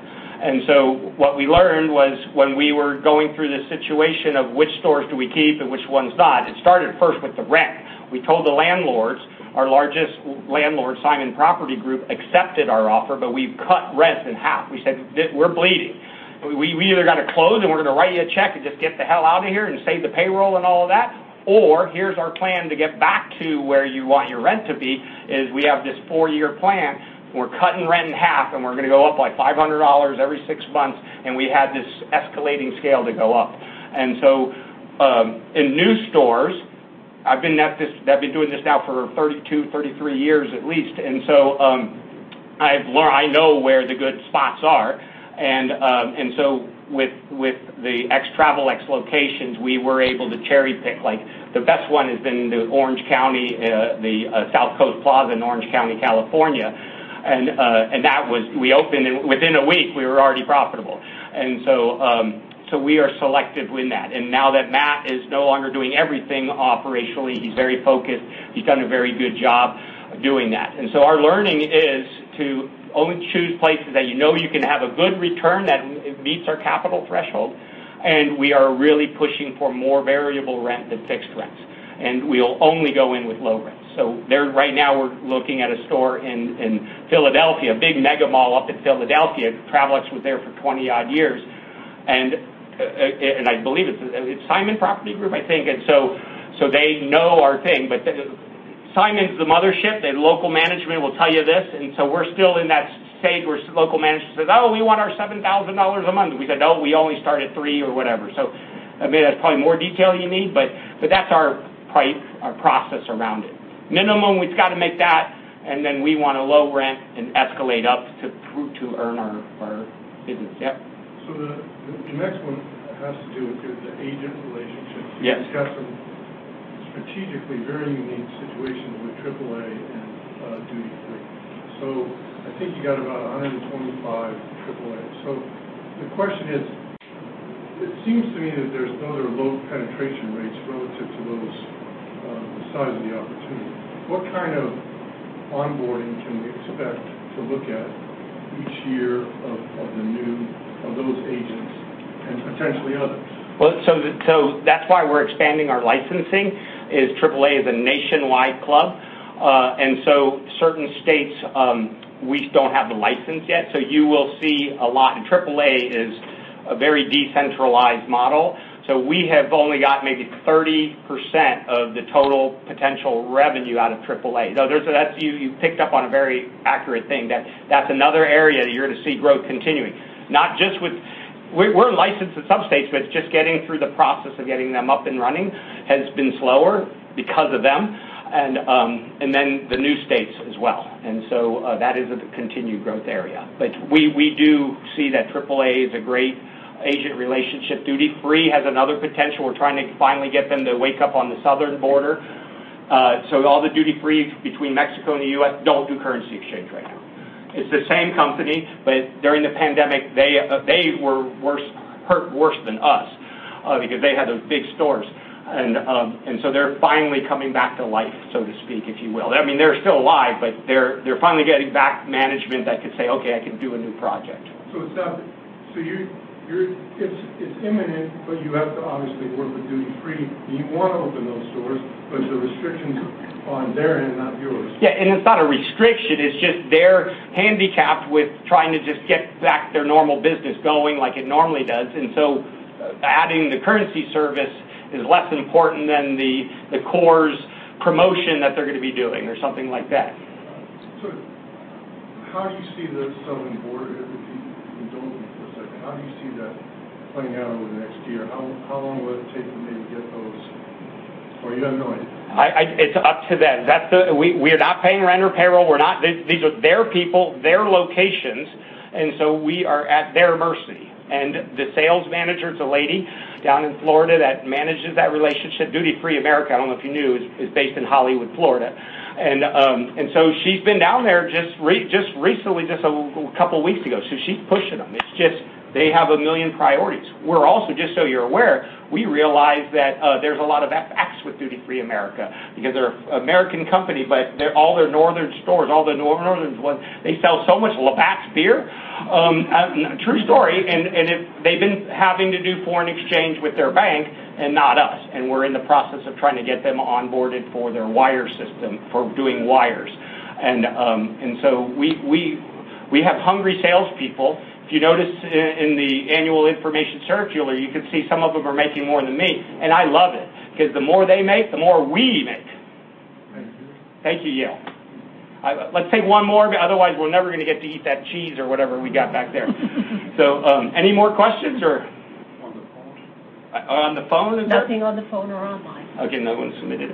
What we learned was when we were going through this situation of which stores do we keep and which ones not, it started first with the rent. We told the landlords. Our largest landlord, Simon Property Group, accepted our offer, but we've cut rent in half. We said, "We're bleeding. We either got to close and we're going to write you a check to just get the hell out of here and save the payroll and all of that, or here's our plan to get back to where you want your rent to be, is we have this four-year plan. We're cutting rent in half, and we're going to go up by $500 every six months," and we had this escalating scale to go up. In new stores, I've been doing this now for 32, 33 years at least, and so I know where the good spots are. With the ex-Travelex locations, we were able to cherry pick. The best one has been the South Coast Plaza in Orange County, California. We opened, and within a week, we were already profitable. We are selective in that. Now that Matt is no longer doing everything operationally, he's very focused. He's done a very good job doing that. Our learning is to only choose places that you know you can have a good return that meets our capital threshold. We are really pushing for more variable rent than fixed rents. We'll only go in with low rents. Right now, we're looking at a store in Philadelphia, a big mega mall up in Philadelphia. Travelex was there for 20-odd years. I believe it's Simon Property Group, I think. They know our thing, but Simon's the mothership. The local management will tell you this. We're still in that stage where local management says, "Oh, we want our $7,000 a month." We said, "No, we only start at $3,000," or whatever. That's probably more detail you need, but that's our pipeline process around it. Minimum, we've got to make that, and then we want a low rate and escalate up to earn our business. Yep. The next one has to do with the agent relationships. Yeah. You discussed them strategically varying the situations with Triple A and Duty-Free. I think you got about 125 Triple A The question is, it seems to me that there's other low penetration rates relative to those, the size of the opportunity. What kind of onboarding can we expect to look at each year of those agents, and potentially others? That's why we're expanding our licensing. Triple A is a nationwide club. Certain states, we don't have the license yet. You will see a lot. Triple A is a very decentralized model. We have only got maybe 30% of the total potential revenue out of Triple A. You've picked up on a very accurate thing. That's another area that you're going to see growth continuing. We're licensed in some states, but just getting through the process of getting them up and running has been slower because of them. The new states as well. That is a continued growth area. We do see that Triple is a great agent relationship. Duty Free has another potential. We're trying to finally get them to wake up on the southern border. All the Duty Frees' between Mexico and the U.S. don't do currency exchange right now. It's the same company, but during the pandemic, they were hurt worse than us, because they had those big stores. They're finally coming back to life, so to speak, if you will. I mean, they're still alive, but they're finally getting back management that could say, "Okay, I can do a new project. It's imminent, but you have to obviously work with Duty Free, and you want to open those stores, but the restrictions on their end, not yours. Yeah, it's not a restriction, it's just they're handicapped with trying to just get back their normal business going like it normally does. Adding the currency service is less important than the core's promotion that they're going to be doing or something like that. How do you see the southern border? If you indulge me for a second, how do you see that playing out over the next year? How long will it take for me to get those? Or you don't know anything. It's up to them. We're not paying rent or payroll. These are their people, their locations, and so we are at their mercy. The sales manager is a lady down in Florida that manages that relationship. Duty Free Americas, I don't know if you knew, is based in Hollywood, Florida. She's been down there just recently, just a couple of weeks ago. She's pushing them. It's just they have a million priorities. We're also, just so you're aware, we realize that there's a lot of FX with Duty Free Americas because they're an American company, but all their northern stores, all the northern ones, they sell so much Labatt's beer. True story. They've been having to do foreign exchange with their bank and not us, and we're in the process of trying to get them onboarded for their wire system, for doing wires. We have hungry salespeople. If you notice in the annual information circular, you could see some of them are making more than me, and I love it because the more they make, the more we make. Thank you. Thank you, Yale. Let's take one more, otherwise we're never going to get to eat that cheese or whatever we got back there. Any more questions or? On the phone? On the phone, you said? Nothing on the phone or online. Okay, no one's submitted.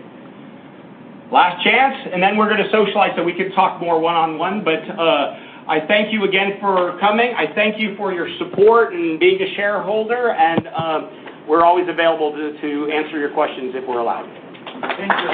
Last chance, and then we're going to socialize so we can talk more one-on-one. I thank you again for coming. I thank you for your support and being a shareholder, and we're always available to answer your questions if we're allowed. Thank you.